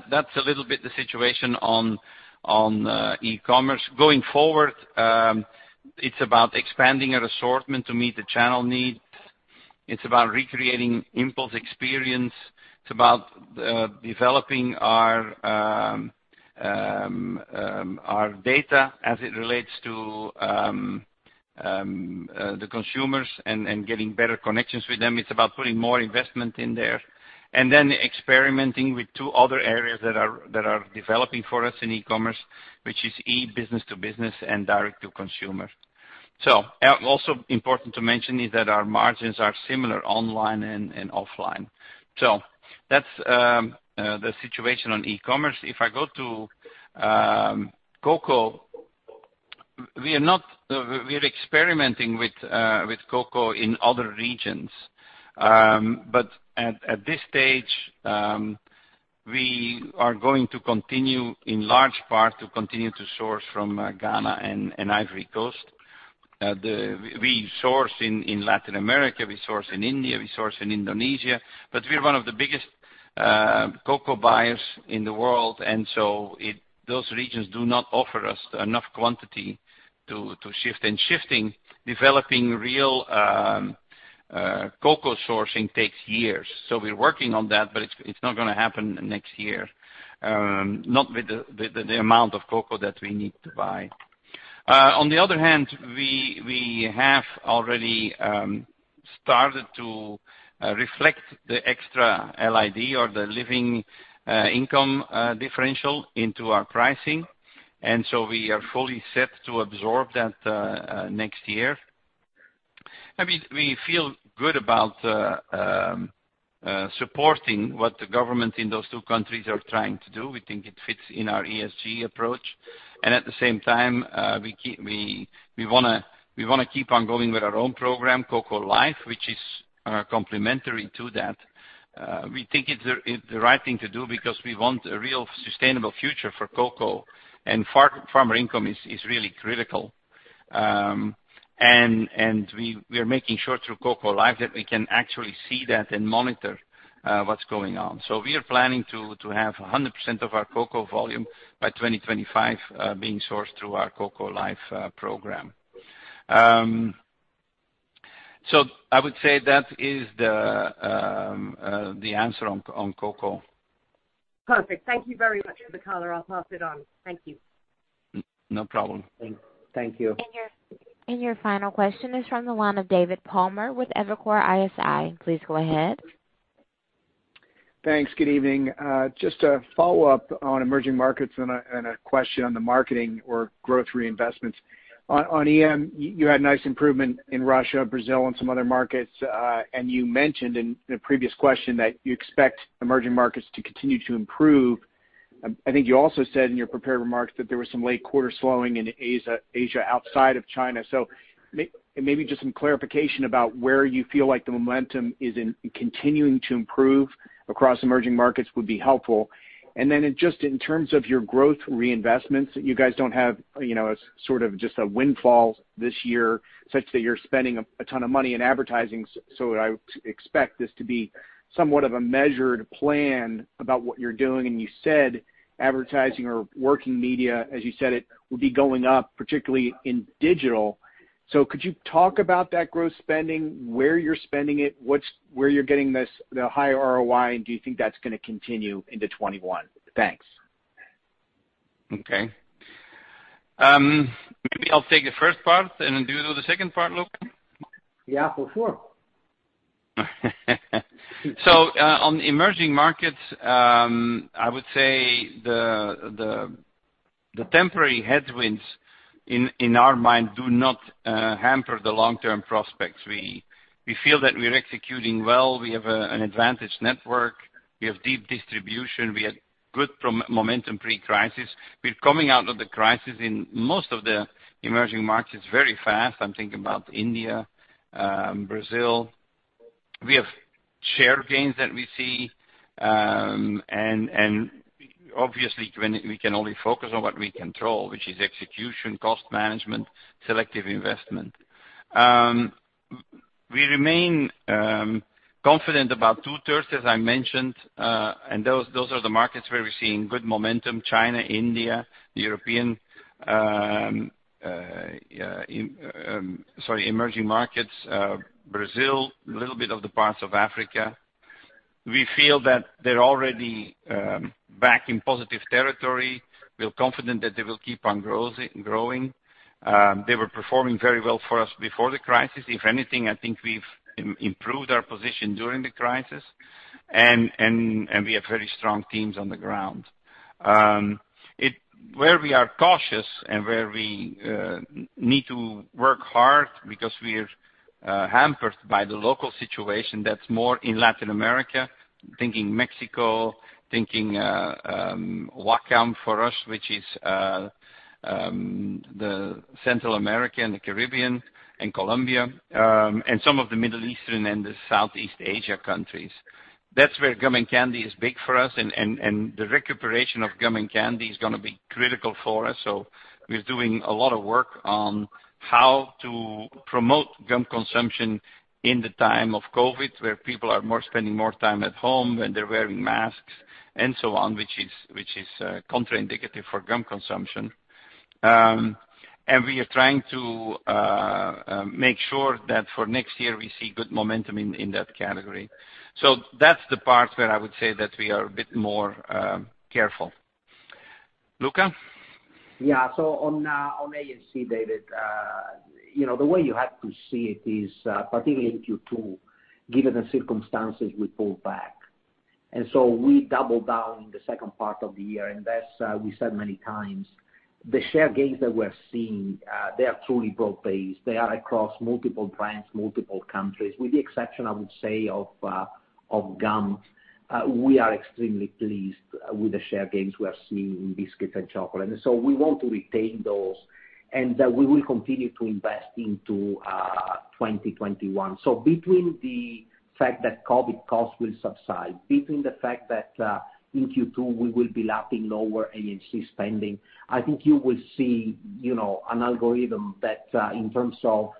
That's a little bit the situation on e-commerce. Going forward, it's about expanding our assortment to meet the channel needs. It's about recreating impulse experience. It's about developing our data as it relates to the consumers and getting better connections with them. It's about putting more investment in there. Then experimenting with two other areas that are developing for us in e-commerce, which is e-business to business and direct to consumer. Also important to mention is that our margins are similar online and offline. That's the situation on e-commerce. If I go to cocoa, we are experimenting with cocoa in other regions. At this stage, we are going to continue, in large part, to source from Ghana and Ivory Coast. We source in Latin America, we source in India, we source in Indonesia, but we are one of the biggest cocoa buyers in the world, and so those regions do not offer us enough quantity to shift. Shifting, developing real cocoa sourcing takes years. We're working on that, but it's not going to happen next year, not with the amount of cocoa that we need to buy. On the other hand, we have already started to reflect the extra LID or the Living Income Differential into our pricing. We are fully set to absorb that next year. We feel good about supporting what the government in those two countries are trying to do. We think it fits in our ESG approach. At the same time, we want to keep on going with our own program, Cocoa Life, which is complementary to that. We think it's the right thing to do because we want a real sustainable future for cocoa and farmer income is really critical. We are making sure through Cocoa Life that we can actually see that and monitor what's going on. We are planning to have 100% of our cocoa volume by 2025 being sourced through our Cocoa Life program. I would say that is the answer on cocoa. Perfect. Thank you very much for the color. I'll pass it on. Thank you. No problem. Thank you. Your final question is from the line of David Palmer with Evercore ISI. Please go ahead. Thanks. Good evening. Just a follow-up on emerging markets and a question on the marketing or growth reinvestments. On EM, you had nice improvement in Russia, Brazil, and some other markets. You mentioned in a previous question that you expect emerging markets to continue to improve. I think you also said in your prepared remarks that there was some late quarter slowing in Asia outside of China. Maybe just some clarification about where you feel like the momentum is in continuing to improve across emerging markets would be helpful. Just in terms of your growth reinvestments, you guys don't have a windfall this year such that you're spending a ton of money in advertising. I would expect this to be somewhat of a measured plan about what you're doing, and you said advertising or working media, as you said it, will be going up, particularly in digital. Could you talk about that growth spending, where you're spending it, where you're getting the higher ROI, and do you think that's going to continue into 2021? Thanks. Okay. Maybe I'll take the first part, and then do you do the second part, Luca? Yeah, for sure. On emerging markets, I would say the temporary headwinds in our mind do not hamper the long-term prospects. We feel that we're executing well. We have an advantage network, we have deep distribution, we had good momentum pre-crisis. We're coming out of the crisis in most of the emerging markets very fast. I'm thinking about India, Brazil. We have share gains that we see. Obviously, we can only focus on what we control, which is execution, cost management, selective investment. We remain confident about two-thirds, as I mentioned, and those are the markets where we're seeing good momentum, China, India, European, sorry, emerging markets, Brazil, little bit of the parts of Africa. We feel that they're already back in positive territory. We're confident that they will keep on growing. They were performing very well for us before the crisis. If anything, I think we've improved our position during the crisis. We have very strong teams on the ground. Where we are cautious and where we need to work hard because we are hampered by the local situation, that's more in Latin America, thinking Mexico, thinking WACAM for us, which is the Central America and the Caribbean and Colombia, and some of the Middle Eastern and the Southeast Asia countries. That's where gum and candy is big for us, and the recuperation of gum and candy is going to be critical for us. We're doing a lot of work on how to promote gum consumption in the time of COVID, where people are spending more time at home and they're wearing masks and so on, which is contraindicative for gum consumption. We are trying to make sure that for next year, we see good momentum in that category. That's the part where I would say that we are a bit more careful. Luca? On A&C, David, the way you have to see it is, particularly in Q2, given the circumstances, we pulled back. We doubled down in the second part of the year, and as we said many times, the share gains that we're seeing, they are truly broad-based. They are across multiple brands, multiple countries. With the exception, I would say, of gum, we are extremely pleased with the share gains we are seeing in biscuits and chocolate. We want to retain those, and we will continue to invest into 2021. Between the fact that COVID costs will subside, between the fact that in Q2 we will be lapping lower agency spending, I think you will see an algorithm that, in terms of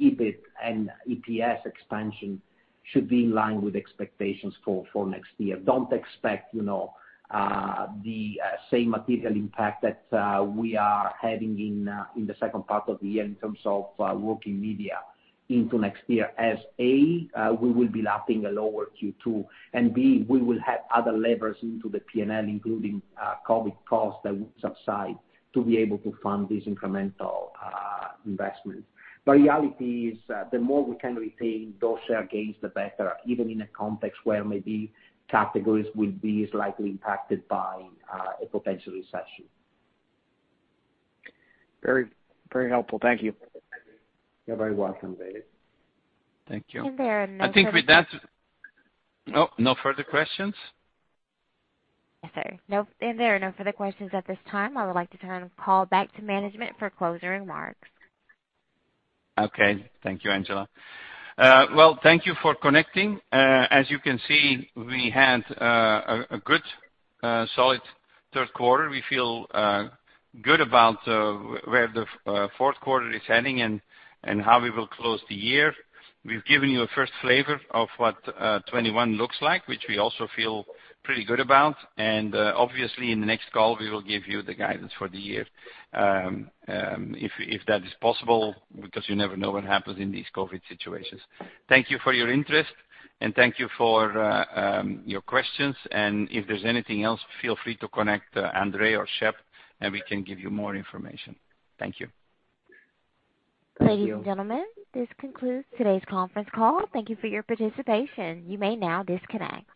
EBIT and EPS expansion, should be in line with expectations for next year. Don't expect the same material impact that we are having in the second part of the year in terms of working media into next year as, A, we will be lapping a lower Q2, and B, we will have other levers into the P&L, including COVID costs that will subside to be able to fund this incremental investment. The reality is, the more we can retain those share gains, the better, even in a context where maybe categories will be slightly impacted by a potential recession. Very helpful. Thank you. You're very welcome, David. Thank you. And there are no further— I think with that— Oh, no further questions? Yes, sir. There are no further questions at this time. I would like to turn the call back to management for closing remarks. Okay. Thank you, Angela. Well, thank you for connecting. As you can see, we had a good, solid third quarter. We feel good about where the fourth quarter is heading and how we will close the year. We've given you a first flavor of what 2021 looks like, which we also feel pretty good about. Obviously, in the next call, we will give you the guidance for the year, if that is possible, because you never know what happens in these COVID situations. Thank you for your interest, and thank you for your questions. If there's anything else, feel free to connect André or Shep, and we can give you more information. Thank you. Thank you. Ladies and gentlemen, this concludes today's conference call. Thank you for your participation. You may now disconnect.